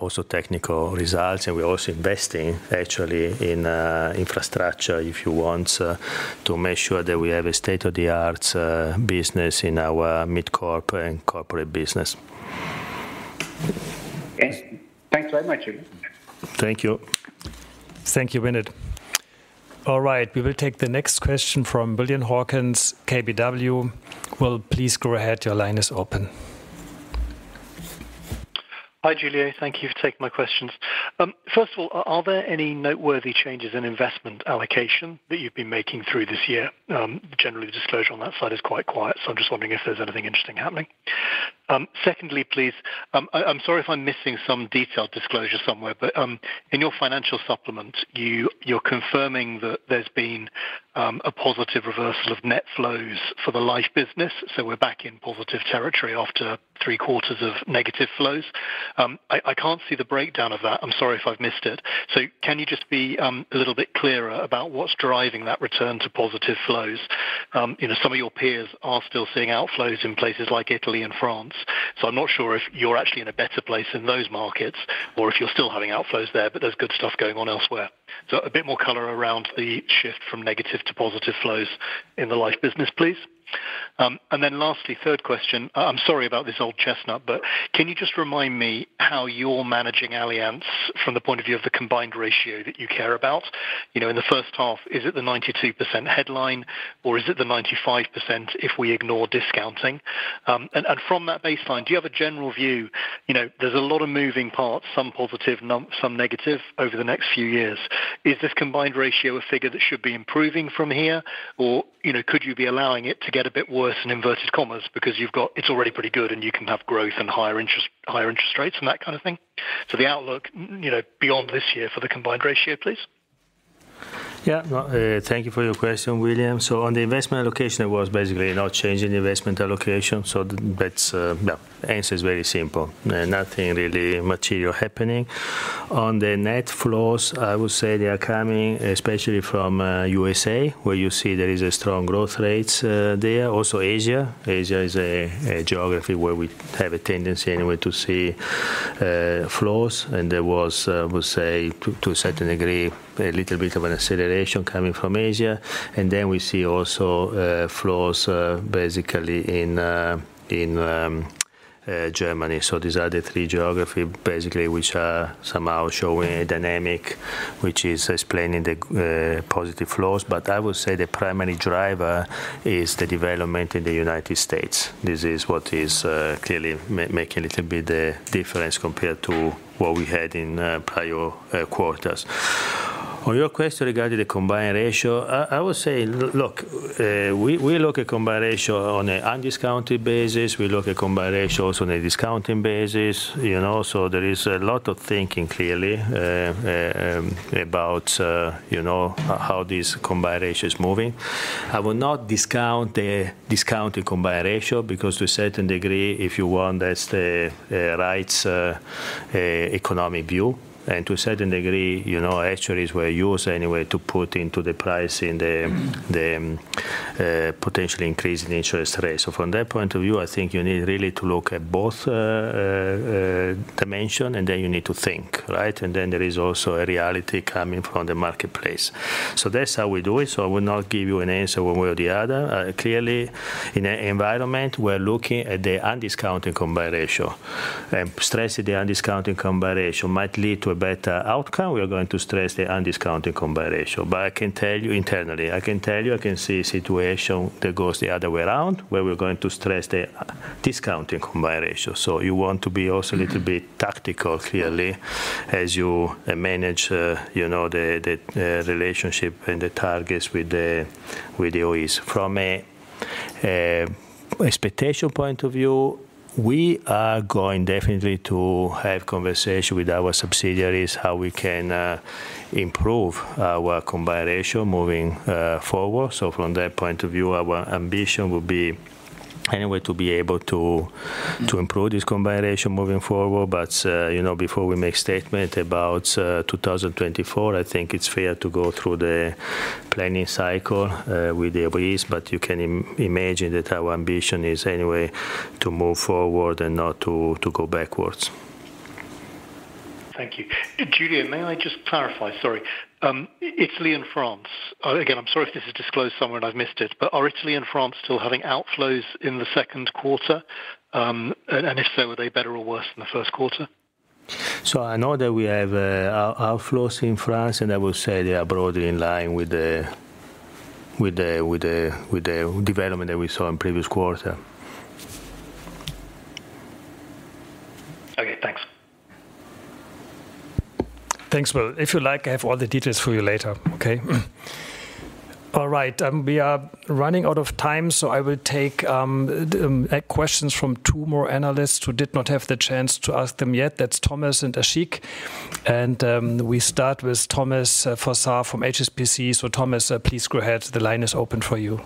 also technical results. We're also investing actually in infrastructure, if you want, to make sure that we have a state-of-the-art business in our MidCorp and corporate business. Thanks. Thanks very much. Thank you. Thank you, Vinit. All right, we will take the next question from William Hawkins, KBW. Well, please go ahead. Your line is open. Hi, Giulio. Thank you for taking my questions. First of all, are, are there any noteworthy changes in investment allocation that you've been making through this year? Generally, the disclosure on that side is quite quiet, so I'm just wondering if there's anything interesting happening. Secondly, please, I, I'm sorry if I'm missing some detailed disclosure somewhere, but, in your financial supplement, you- you're confirming that there's been a positive reversal of net flows for the life business, so we're back in positive territory after three quarters of negative flows. I, I can't see the breakdown of that. I'm sorry if I've missed it. Can you just be a little bit clearer about what's driving that return to positive flows? You know, some of your peers are still seeing outflows in places like Italy and France. I'm not sure if you're actually in a better place in those markets or if you're still having outflows there, but there's good stuff going on elsewhere. A bit more color around the shift from negative to positive flows in the life business, please. Then lastly, third question. I'm sorry about this old chestnut, can you just remind me how you're managing Allianz from the point of view of the combined ratio that you care about? You know, in the first half, is it the 92% headline, or is it the 95% if we ignore discounting? And from that baseline, do you have a general view? You know, there's a lot of moving parts, some positive, some negative, over the next few years. Is this combined ratio a figure that should be improving from here? Or, you know, could you be allowing it to get a bit worse in inverted commas, because it's already pretty good, and you can have growth and higher interest, higher interest rates and that kind of thing? The outlook, you know, beyond this year for the combined ratio, please. Yeah. Well, thank you for your question, William. On the investment allocation, it was basically no change in the investment allocation. That's, yeah, answer is very simple. Nothing really material happening. On the net flows, I would say they are coming, especially from USA, where you see there is a strong growth rates there. Also Asia. Asia is a geography where we have a tendency anyway to see flows, there was, we say to a certain degree, a little bit of an acceleration coming from Asia. We see also flows basically in Germany. These are the three geography basically, which are somehow showing a dynamic, which is explaining the positive flows. I would say the primary driver is the development in the United States. This is what is clearly making a little bit the difference compared to what we had in prior quarters. On your question regarding the combined ratio, I, I would say, look, we, we look at combined ratio on a undiscounted basis. We look at combined ratio also on a discounting basis, you know, so there is a lot of thinking, clearly, about, you know, how this combined ratio is moving. I will not discount the discounted combined ratio, because to a certain degree, if you want, that's the rights economic view. To a certain degree, you know, actuaries were used anyway to put into the price and the potential increase in interest rates. From that point of view, I think you need really to look at both dimensions, and then you need to think, right? Then there is also a reality coming from the marketplace. That's how we do it, so I will not give you an answer one way or the other. Clearly, in an environment, we're looking at the undiscounted combined ratio. Stressing the undiscounted combined ratio might lead to a better outcome. We are going to stress the undiscounted combined ratio. I can tell you internally, I can tell you, I can see a situation that goes the other way around, where we're going to stress the discounting combined ratio. You want to be also little bit tactical, clearly, as you manage, you know, the relationship and the targets with the OEs. From a expectation point of view, we are going definitely to have conversation with our subsidiaries, how we can improve our combined ratio moving forward. From that point of view, our ambition will be anyway, to be able to improve this combined ratio moving forward. You know, before we make statement about 2024, I think it's fair to go through the planning cycle with the OEs, but you can imagine that our ambition is anyway, to move forward and not to go backwards. Thank you. Giulio, may I just clarify? Sorry. Italy and France. Again, I'm sorry if this is disclosed somewhere, and I've missed it, but are Italy and France still having outflows in the second quarter? And if so, are they better or worse than the first quarter? I know that we have outflows in France, and I will say they are broadly in line with the development that we saw in previous quarter. Okay, thanks. Thanks, Will. If you like, I have all the details for you later, okay? All right, we are running out of time, I will take questions from two more analysts who did not have the chance to ask them yet. That's Thomas and Ashik. We start with Thomas Fossard from HSBC. Thomas, please go ahead. The line is open for you.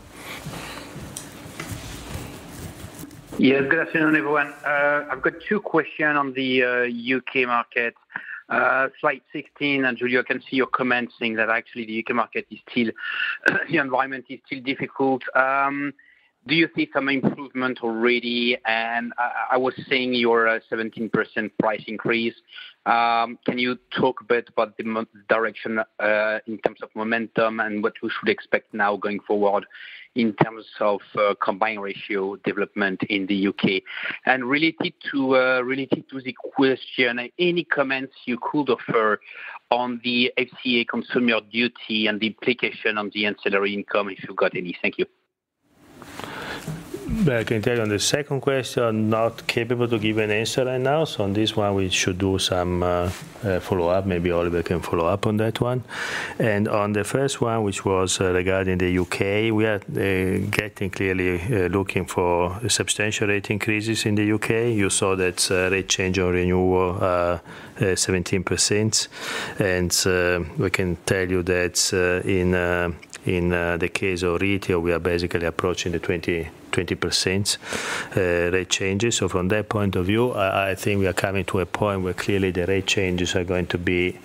Yes, good afternoon, everyone. I've got 2 question on the U.K. market. Slide 16, Giulio, I can see your comments saying that actually, the U.K. market is still, the environment is still difficult. Do you see some improvement already? I, I was seeing your 17% price increase. Can you talk a bit about the direction in terms of momentum and what we should expect now going forward in terms of combined ratio development in the U.K.? Related to, related to the question, any comments you could offer on the FCA Consumer Duty and the implication on the ancillary income, if you've got any? Thank you. I can tell you on the second question, not capable to give an answer right now. On this one, we should do some follow-up. Maybe Oliver can follow up on that one. On the first one, which was regarding the UK, we are getting clearly looking for substantial rate increases in the UK. You saw that rate change on renewal 17%. We can tell you that in the case of retail, we are basically approaching the 20% rate changes. From that point of view, I, I think we are coming to a point where clearly the rate changes are going to be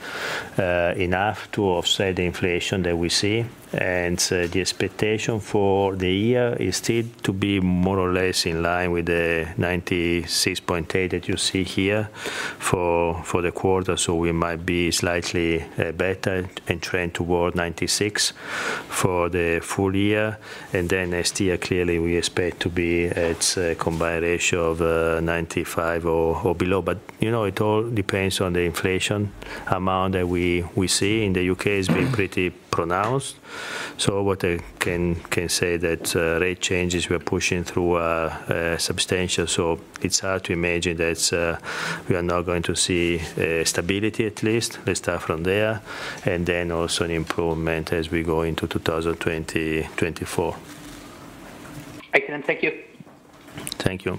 enough to offset the inflation that we see. The expectation for the year is still to be more or less in line with the 96.8 that you see here for, for the quarter. We might be slightly better and trend toward 96 for the full-year. Then next year, clearly, we expect to be at a combined ratio of 95 or below. You know, it all depends on the inflation amount that we, we see. In the UK, it's been pretty pronounced. What I can, can say that rate changes, we are pushing through substantial, so it's hard to imagine that we are now going to see stability at least. Let's start from there, and then also an improvement as we go into 2024. I can thank you. Thank you.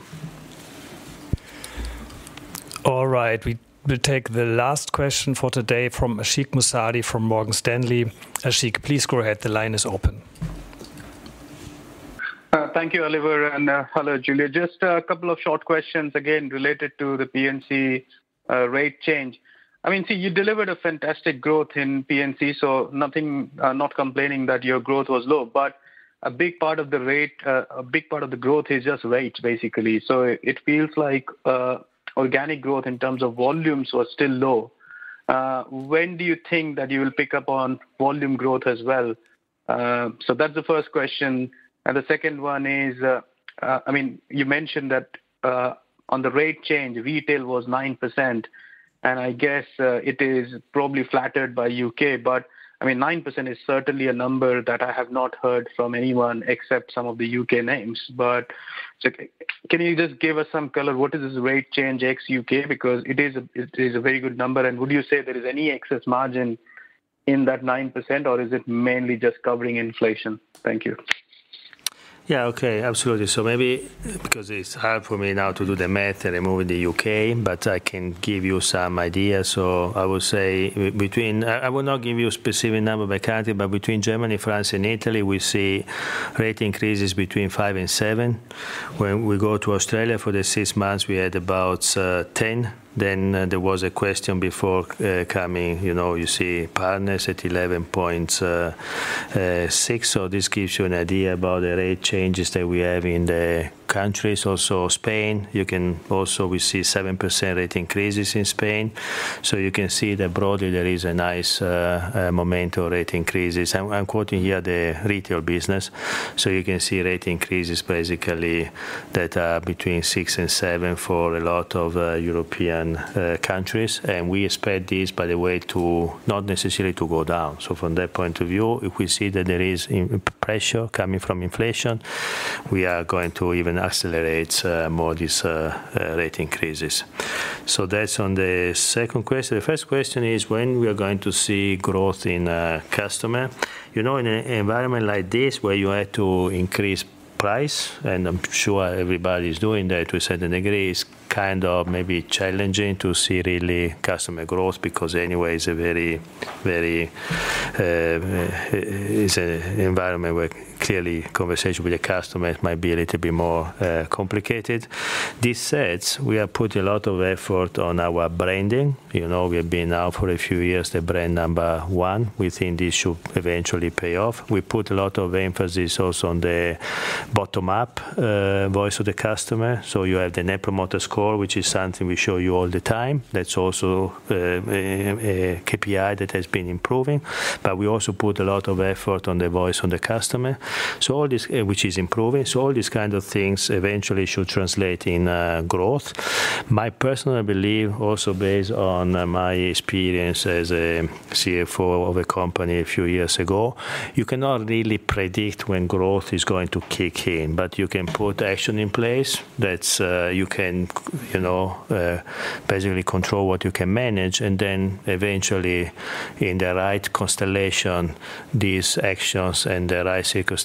All right, we will take the last question for today from Ashik Musaddi from Morgan Stanley. Ashik, please go ahead. The line is open. Thank you, Oliver, and hello, Giulio. Just a couple of short questions, again, related to the P&C rate change. I mean, see, you delivered a fantastic growth in P&C, so nothing, not complaining that your growth was low, but a big part of the rate, a big part of the growth is just rate, basically. It feels like organic growth in terms of volumes was still low. When do you think that you will pick up on volume growth as well? That's the first question. The second one is, I mean, you mentioned that on the rate change, retail was 9%, and I guess it is probably flattered by UK, but I mean, 9% is certainly a number that I have not heard from anyone except some of the UK names. Can you just give us some color, what is this rate change ex UK? It is a very good number, and would you say there is any excess margin in that 9%, or is it mainly just covering inflation? Thank you. Yeah, okay. Absolutely. Maybe because it's hard for me now to do the math and remove the UK, but I can give you some ideas. I will not give you a specific number by country, but between Germany, France, and Italy, we see rate increases between 5 and 7. When we go to Australia for the six months, we had about 10. There was a question before coming, you know, you see partners at 11.6. This gives you an idea about the rate changes that we have in the countries. Spain, you can also we see 7% rate increases in Spain. You can see that broadly there is a nice momentum rate increases. I'm, I'm quoting here the retail business. You can see rate increases basically that are between 6 and 7 for a lot of European countries. We expect this, by the way, to not necessarily to go down. From that point of view, if we see that there is pressure coming from inflation, we are going to even accelerate more this rate increases. That's on the second question. The first question is when we are going to see growth in customer. You know, in an environment like this, where you have to increase price, and I'm sure everybody's doing that to a certain degree, it's kind of maybe challenging to see really customer growth, because anyway, it's a very, very, it's a environment where clearly conversation with the customer might be a little bit more complicated. This said, we have put a lot of effort on our branding. You know, we've been now for a few years, the brand number 1. We think this should eventually pay off. We put a lot of emphasis also on the bottom up voice of the customer. You have the Net Promoter Score, which is something we show you all the time. That's also a KPI that has been improving, but we also put a lot of effort on the voice of the customer. All this, which is improving, so all these kind of things eventually should translate in growth. My personal belief, also based on my experience as a CFO of a company a few years ago, you cannot really predict when growth is going to kick in, but you can put action in place that you can, you know, basically control what you can manage, and then eventually, in the right constellation, these actions and the right circumstances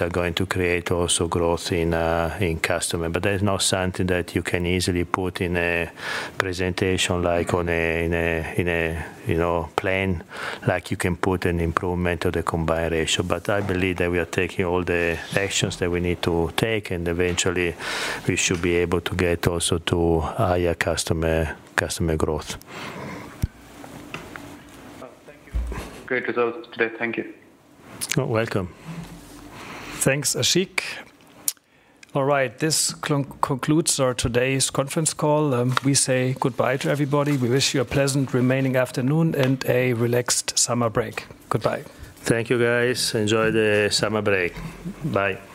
are going to create also growth in customer. There is not something that you can easily put in a presentation, like on a, in a, in a, you know, plan, like you can put an improvement of the combined ratio. I believe that we are taking all the actions that we need to take, and eventually, we should be able to get also to higher customer, customer growth. Thank you. Great results today. Thank you. You're welcome. Thanks, Ashik. All right, this concludes our today's conference call. We say goodbye to everybody. We wish you a pleasant remaining afternoon and a relaxed summer break. Goodbye. Thank you, guys. Enjoy the summer break. Bye.